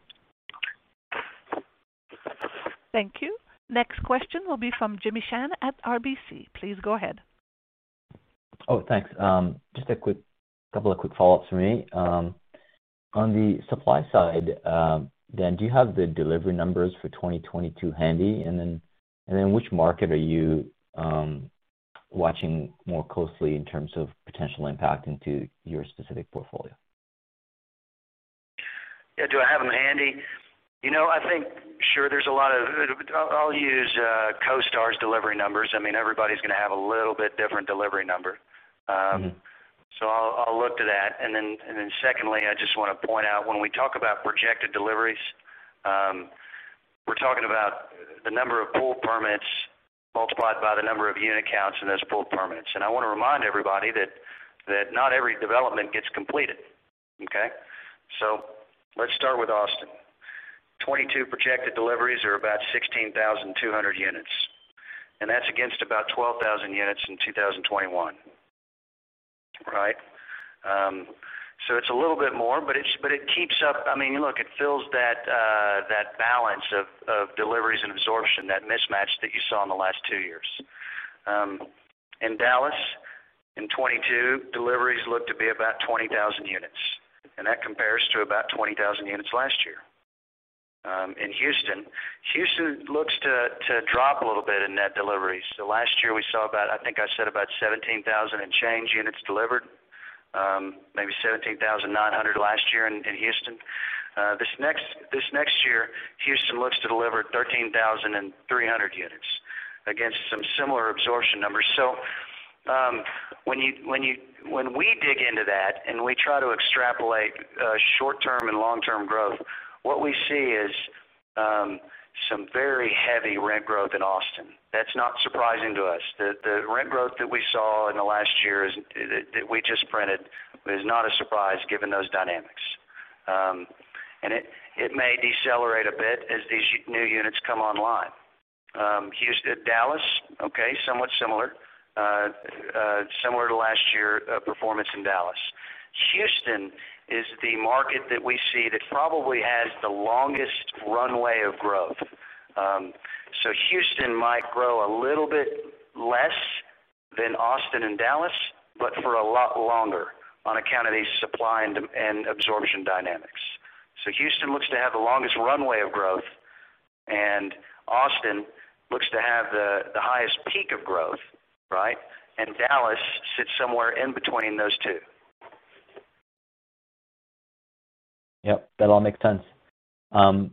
Thank you. Next question will be from Jimmy Shan at RBC. Please go ahead. Oh, thanks. Just a couple of quick follow-ups for me. On the supply side, Dan, do you have the delivery numbers for 2022 handy? Then which market are you watching more closely in terms of potential impact into your specific portfolio? Yeah. Do I have them handy? You know, I think, sure, there's a lot of. I'll use CoStar's delivery numbers. I mean, everybody's gonna have a little bit different delivery number. So I'll look to that. And then secondly, I just wanna point out, when we talk about projected deliveries, we're talking about the number of pool permits multiplied by the number of unit counts in those pool permits. I wanna remind everybody, that not every development gets completed, okay? Let's start with Austin. 2022 projected deliveries are about 16,200 units, and that's against about 12,000 units in 2021. Right? So it's a little bit more, but it keeps up. I mean, look, it fills that balance of deliveries and absorption, that mismatch that you saw in the last two years. In Dallas, in 2022, deliveries look to be about 20,000 units, and that compares to about 20,000 units last year. In Houston looks to drop a little bit in net deliveries. Last year we saw about, I think I said about 17,000 and change units delivered, maybe 17,900 last year in Houston. This next year, Houston looks to deliver 13,300 units against some similar absorption numbers. When we dig into that and we try to extrapolate short-term and long-term growth, what we see is some very heavy rent growth in Austin. That's not surprising to us. The rent growth that we saw in the last year that we just printed is not a surprise given those dynamics. It may decelerate a bit as these new units come online. Dallas, okay, somewhat similar to last year performance in Dallas. Houston is the market that we see that probably has the longest runway of growth. Houston might grow a little bit less than Austin and Dallas, but for a lot longer on account of these supply and absorption dynamics. Houston looks to have the longest runway of growth, and Austin, looks to have the highest peak of growth, right? Dallas sits somewhere in between those two. Yep, that all makes sense. Then,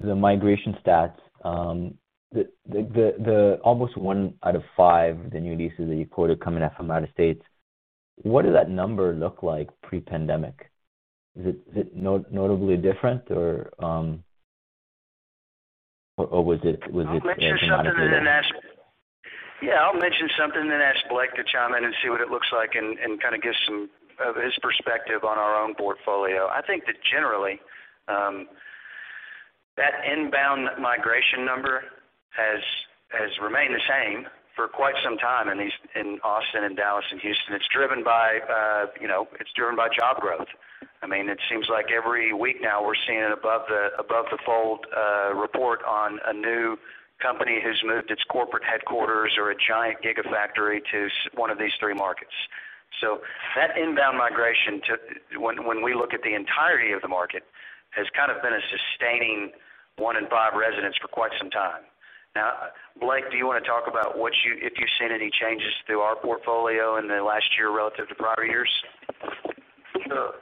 the migration stats, the almost one out of five, the new leases that you quoted coming from out of state, what did that number look like pre-pandemic? Is it notably different or was it as dramatic then? I'll mention something then ask Blake to chime in and see what it looks like and kind of give some of his perspective on our own portfolio. I think that generally, that inbound migration number has remained the same for quite some time in Austin and Dallas and Houston. It's driven by you know job growth. I mean it seems like every week now we're seeing an above-the-fold report on a new company who's moved its corporate headquarters or a giant giga-factory to one of these three markets. That inbound migration when we look at the entirety of the market has kind of been a sustaining one in five residents for quite some time. Now Blake do you wanna talk about what you If you've seen any changes through our portfolio in the last year relative to prior years? Sure.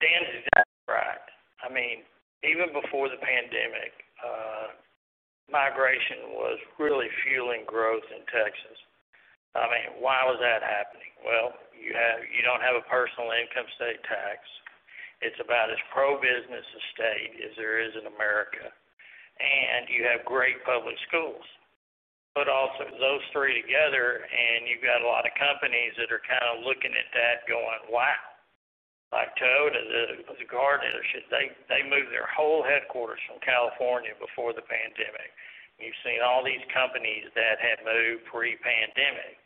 Dan's exactly right. I mean, even before the pandemic, migration was really fueling growth in Texas. I mean, why was that happening? Well, you don't have a personal income state tax. It's about as pro-business a state as there is in America, and you have great public schools. But also those three together, and you've got a lot of companies that are kind of looking at that going, "Wow." Like Toyota, the Gardeners, they moved their whole headquarters from California before the pandemic. You've seen all these companies that have moved pre-pandemic.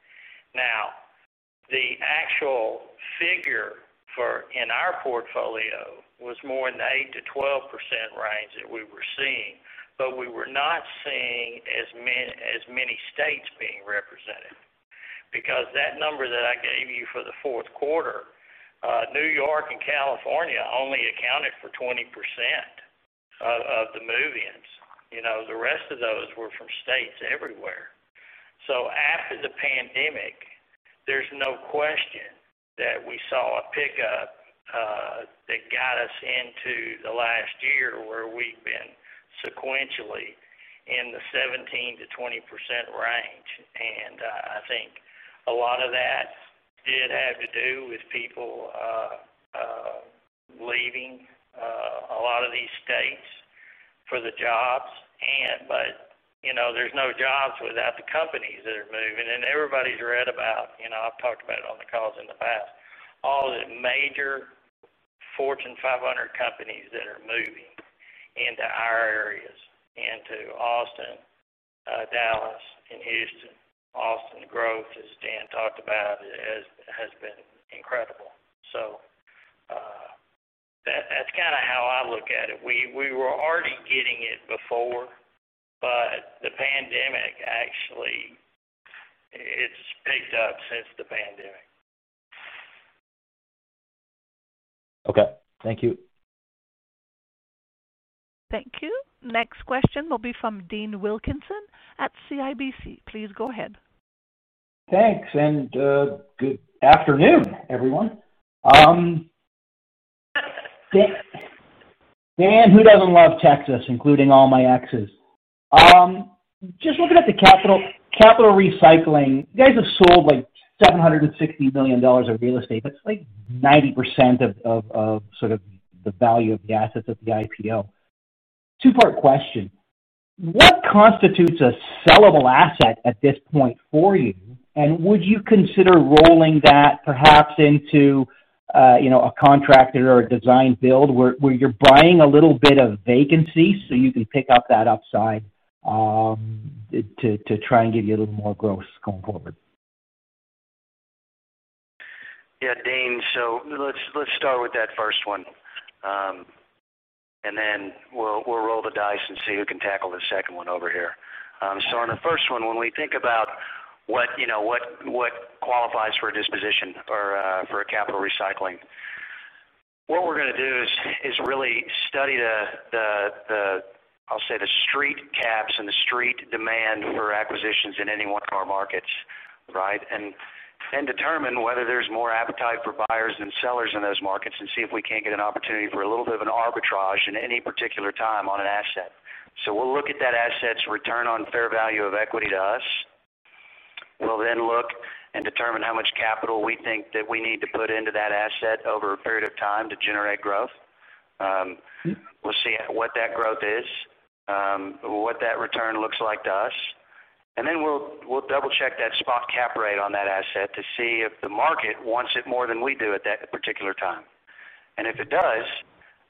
Now, the actual figure in our portfolio, was more in the 8%-12% range that we were seeing. We were not seeing as many states being represented. Because that number that I gave you for the fourth quarter, New York and California only accounted for 20% of the move-ins. You know, the rest of those were from states everywhere. After the pandemic, there's no question that we saw a pickup, that got us into the last year where we've been sequentially in the 17%-20% range. I think a lot of that did have to do with people leaving a lot of these states for the jobs. But you know, there's no jobs without the companies that are moving. Everybody's read about, you know, I've talked about it on the calls in the past, all the major Fortune 500 companies that are moving into our areas, into Austin, Dallas and Houston. Austin growth, as Dan talked about, has been incredible. That's kind of how I look at it. We were already getting it before, but the pandemic actually, it's picked up since the pandemic. Okay, thank you. Thank you. Next question will be from Dean Wilkinson at CIBC. Please go ahead. Thanks, and good afternoon, everyone. Dan, who doesn't love Texas, including all my exes? Just looking at the capital recycling, you guys have sold like $760 million of real estate. That's like 90% of sort of the value of the assets of the IPO. Two-part question. What constitutes a sellable asset at this point for you? Would you consider rolling that perhaps into, you know, a contract or a design build where you're buying a little bit of vacancy so you can pick up that upside, to try and get you a little more growth going forward? Yeah, Dean. Let's start with that first one. Then we'll roll the dice and see who can tackle the second one over here. On the first one, when we think about, what you know qualifies for a disposition or for a capital recycling, what we're gonna do is really study the street caps and the street demand for acquisitions in any one of our markets, right? We determine whether there's more appetite for buyers than sellers in those markets, and see if we can't get an opportunity for a little bit of an arbitrage in any particular time on an asset. We'll look at that asset's return on fair value of equity to us. We'll then look and determine how much capital we think that we need to put into that asset over a period of time to generate growth. We'll see what that growth is, what that return looks like to us, and then we'll double-check that spot cap rate on that asset to see if the market wants it more than we do at that particular time. If it does,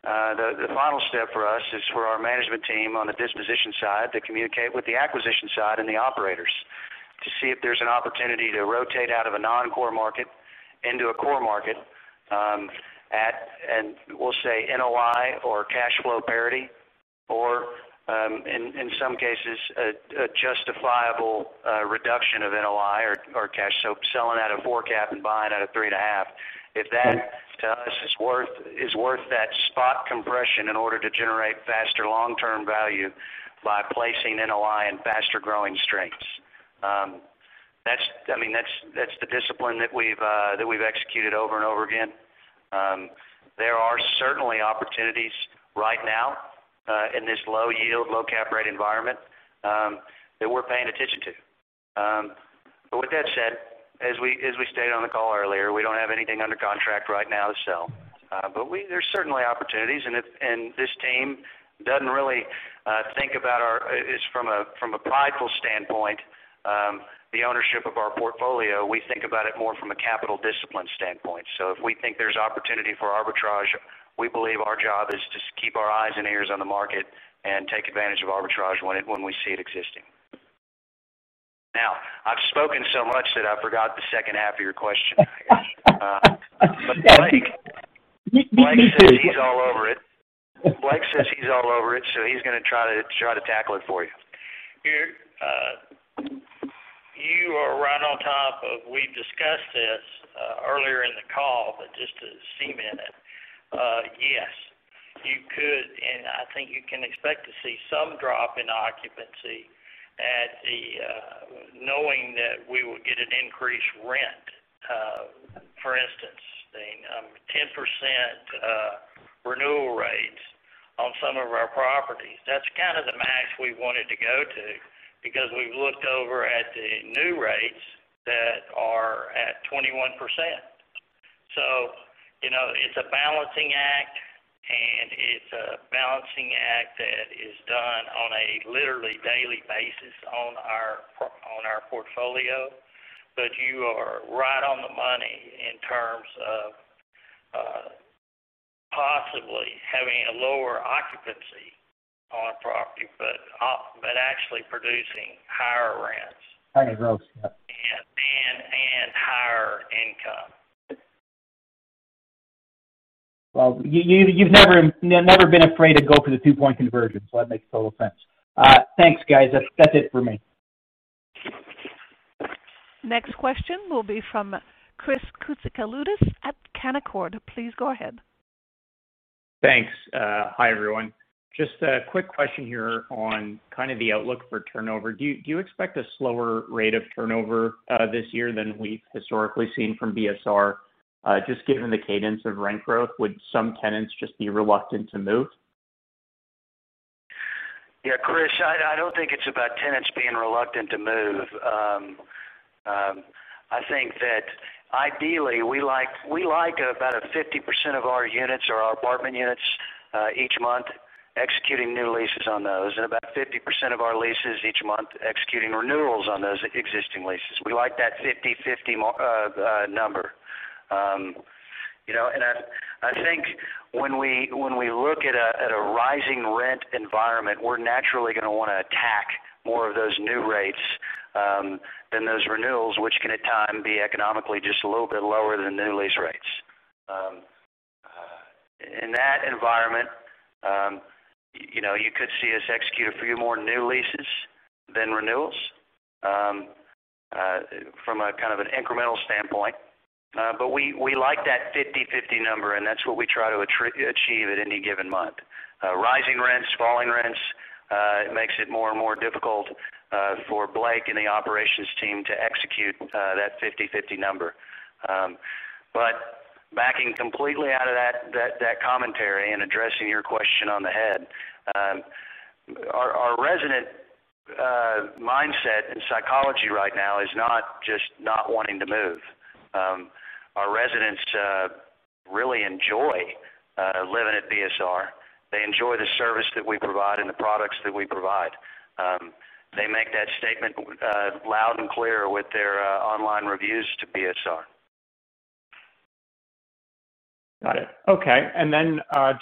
the final step for us is for our management team on the disposition side to communicate with the acquisition side and the operators, to see if there's an opportunity to rotate out of a non-core market into a core market, and we'll say NOI or cash flow parity or, in some cases, a justifiable reduction of NOI or cash. Selling at a four cap and buying at a 3.5. If that to us is worth that spread compression in order to generate faster long-term value, by placing NOI in faster-growing strengths. I mean, that's the discipline that we've executed over and over again. There are certainly opportunities right now, in this low yield, low cap rate environment that we're paying attention to. With that said, as we stated on the call earlier, we don't have anything under contract right now to sell. There's certainly opportunities, and this team doesn't really think about it from a prideful standpoint, the ownership of our portfolio. We think about it more from a capital discipline standpoint. If we think there's opportunity for arbitrage, we believe our job is to keep our eyes and ears on the market, and take advantage of arbitrage when we see it existing. Now, I've spoken so much that I forgot the second half of your question. Blake says he's all over it, so he's gonna try to tackle it for you. You are right on top of it. We've discussed this earlier in the call, but just to cement it. Yes, you could, and I think you can expect to see some drop in occupancy, knowing that we will get an increased rent. For instance, the 10% renewal rates on some of our properties. That's kind of the max we wanted to go to, because we've looked over at the new rates that are at 21%. You know, it's a balancing act, and it's a balancing act that is done on a literally daily basis on our portfolio. You are right on the money in terms of, possibly having a lower occupancy on a property, but actually producing higher rents. Higher growth, yeah. Higher income. Well, you've never been afraid to go for the two-point conversion, so that makes total sense. Thanks, guys. That's it for me. Next question will be from Chris Koutsikaloudis at Canaccord. Please go ahead. Thanks. Hi, everyone. Just a quick question here on kind of the outlook for turnover. Do you expect a slower rate of turnover this year than we've historically seen from BSR, just given the cadence of rent growth, would some tenants just be reluctant to move? Yeah, Chris, I don't think it's about tenants being reluctant to move. I think that ideally, we like about 50% of our units or our apartment units each month executing new leases on those, and about 50% of our leases each month executing renewals on those existing leases. We like that 50/50 number. You know, and I think when we look at a rising rent environment, we're naturally gonna wanna attack more of those new rates than those renewals, which can at times be economically just a little bit lower than new lease rates. In that environment, you know, you could see us execute a few more new leases than renewals from a kind of an incremental standpoint. We like that 50/50 number, and that's what we try to achieve at any given month. Rising rents, falling rents, it makes it more and more difficult for Blake and the operations team to execute that 50/50 number. Backing completely out of that commentary and addressing your question on the head, our resident mindset and psychology right now is not just not wanting to move. Our residents really enjoy living at BSR. They enjoy the service that we provide and the products that we provide. They make that statement loud and clear with their online reviews to BSR. Got it. Okay.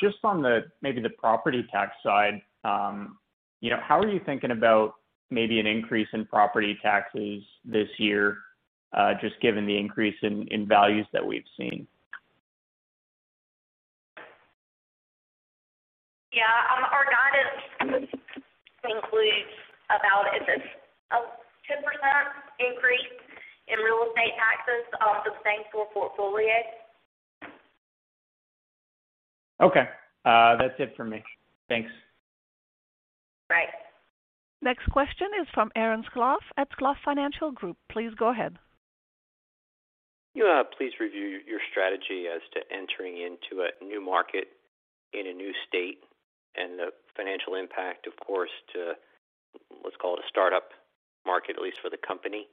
Just on the property tax side, you know, how are you thinking about maybe an increase in property taxes this year, just given the increase in values that we've seen? Yeah, our guidance includes about a 10% increase in real estate taxes off the same core portfolio. Okay. That's it for me. Thanks. Right. Next question is from Aaron Skloff at Skloff Financial Group. Please go ahead. Can you please review your strategy as to entering into a new market, in a new state and the financial impact, of course, to what's called a startup market, at least for the company?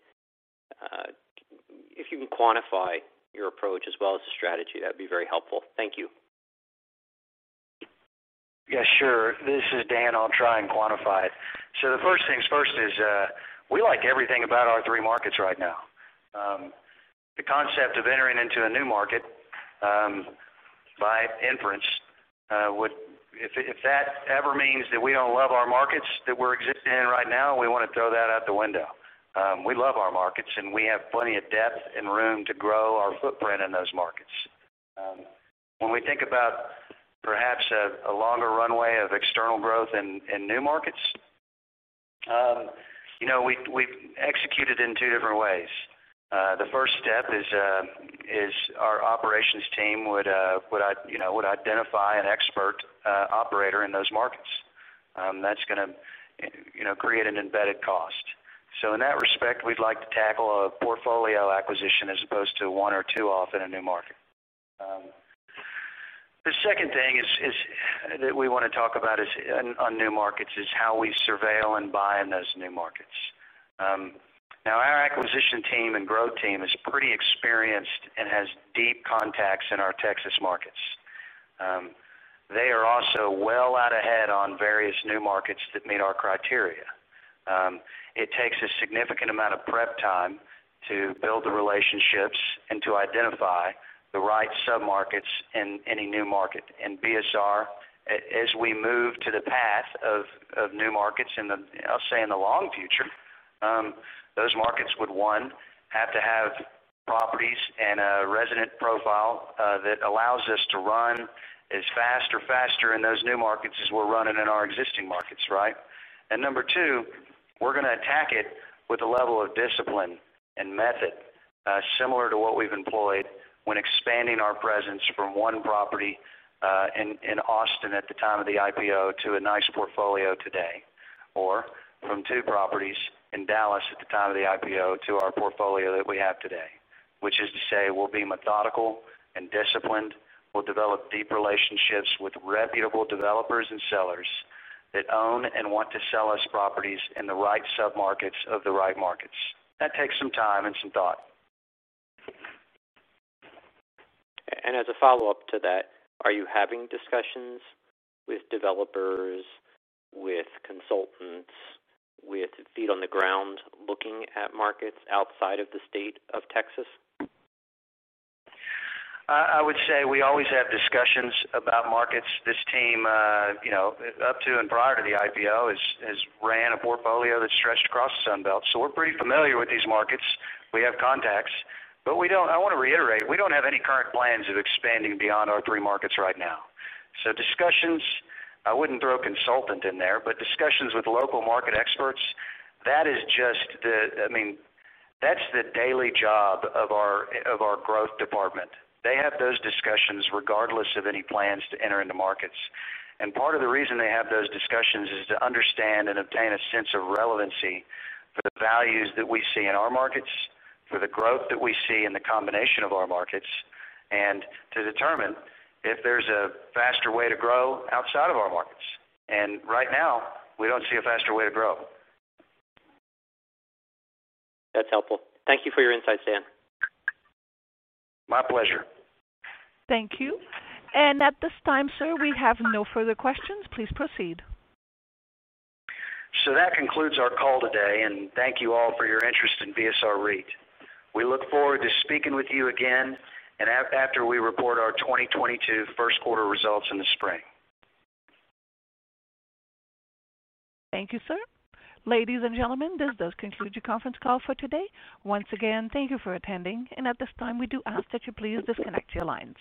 If you can quantify your approach as well as the strategy, that'd be very helpful. Thank you. Yeah, sure. This is Dan. I'll try and quantify it. The first things first is, we like everything about our three markets right now. The concept of entering into a new market, by inference, if that ever means that we don't love our markets that we're existing in right now, we wanna throw that out the window. We love our markets, and we have plenty of depth and room to grow our footprint in those markets. When we think about, perhaps a longer runway of external growth in new markets, you know, we've executed in two different ways. The first step is our operations team would identify an expert operator in those markets. That's gonna, you know, create an embedded cost. In that respect, we'd like to tackle a portfolio acquisition as opposed to one or two off in a new market. The second thing that we wanna talk about is on new markets, is how we surveil and buy in those new markets. Now, our acquisition team and growth team is pretty experienced and has deep contacts in our Texas markets. They are also well out ahead on various new markets that meet our criteria. It takes a significant amount of prep time to build the relationships and to identify the right submarkets in any new market. BSR, as we move to the path of new markets in the, I'll say, long future, those markets would one, have to have properties and a resident profile that allows us to run as fast or faster in those new markets as we're running in our existing markets, right? Number two, we're gonna attack it with a level of discipline and method similar to what we've employed when expanding our presence from one property in Austin at the time of the IPO to a nice portfolio today. From two properties in Dallas at the time of the IPO to our portfolio that we have today. Which is to say we'll be methodical and disciplined. We'll develop deep relationships with reputable developers and sellers that own and want to sell us properties in the right submarkets of the right markets. That takes some time and some thought. As a follow-up to that, are you having discussions with developers, with consultants, with feet on the ground, looking at markets outside of the state of Texas? I would say we always have discussions about markets. This team, you know, up to and prior to the IPO has ran a portfolio that stretched across Sun Belt, so we're pretty familiar with these markets. We have contacts. We don't, I wanna reiterate, we don't have any current plans of expanding beyond our three markets right now. Discussions, I wouldn't throw a consultant in there, but discussions with local market experts, that is just the, I mean, that's the daily job of our growth department. They have those discussions regardless of any plans to enter into markets. Part of the reason they have those discussions is to understand and obtain a sense of relevancy for the values that we see in our markets, for the growth that we see in the combination of our markets, and to determine if there's a faster way to grow outside of our markets. Right now, we don't see a faster way to grow. That's helpful. Thank you for your insights, Dan. My pleasure. Thank you. At this time, sir, we have no further questions. Please proceed. That concludes our call today, and thank you all for your interest in BSR REIT. We look forward to speaking with you again and after we report our 2022 first quarter results in the spring. Thank you, sir. Ladies and gentlemen, this does conclude your conference call for today. Once again, thank you for attending. At this time, we do ask that you please disconnect your lines.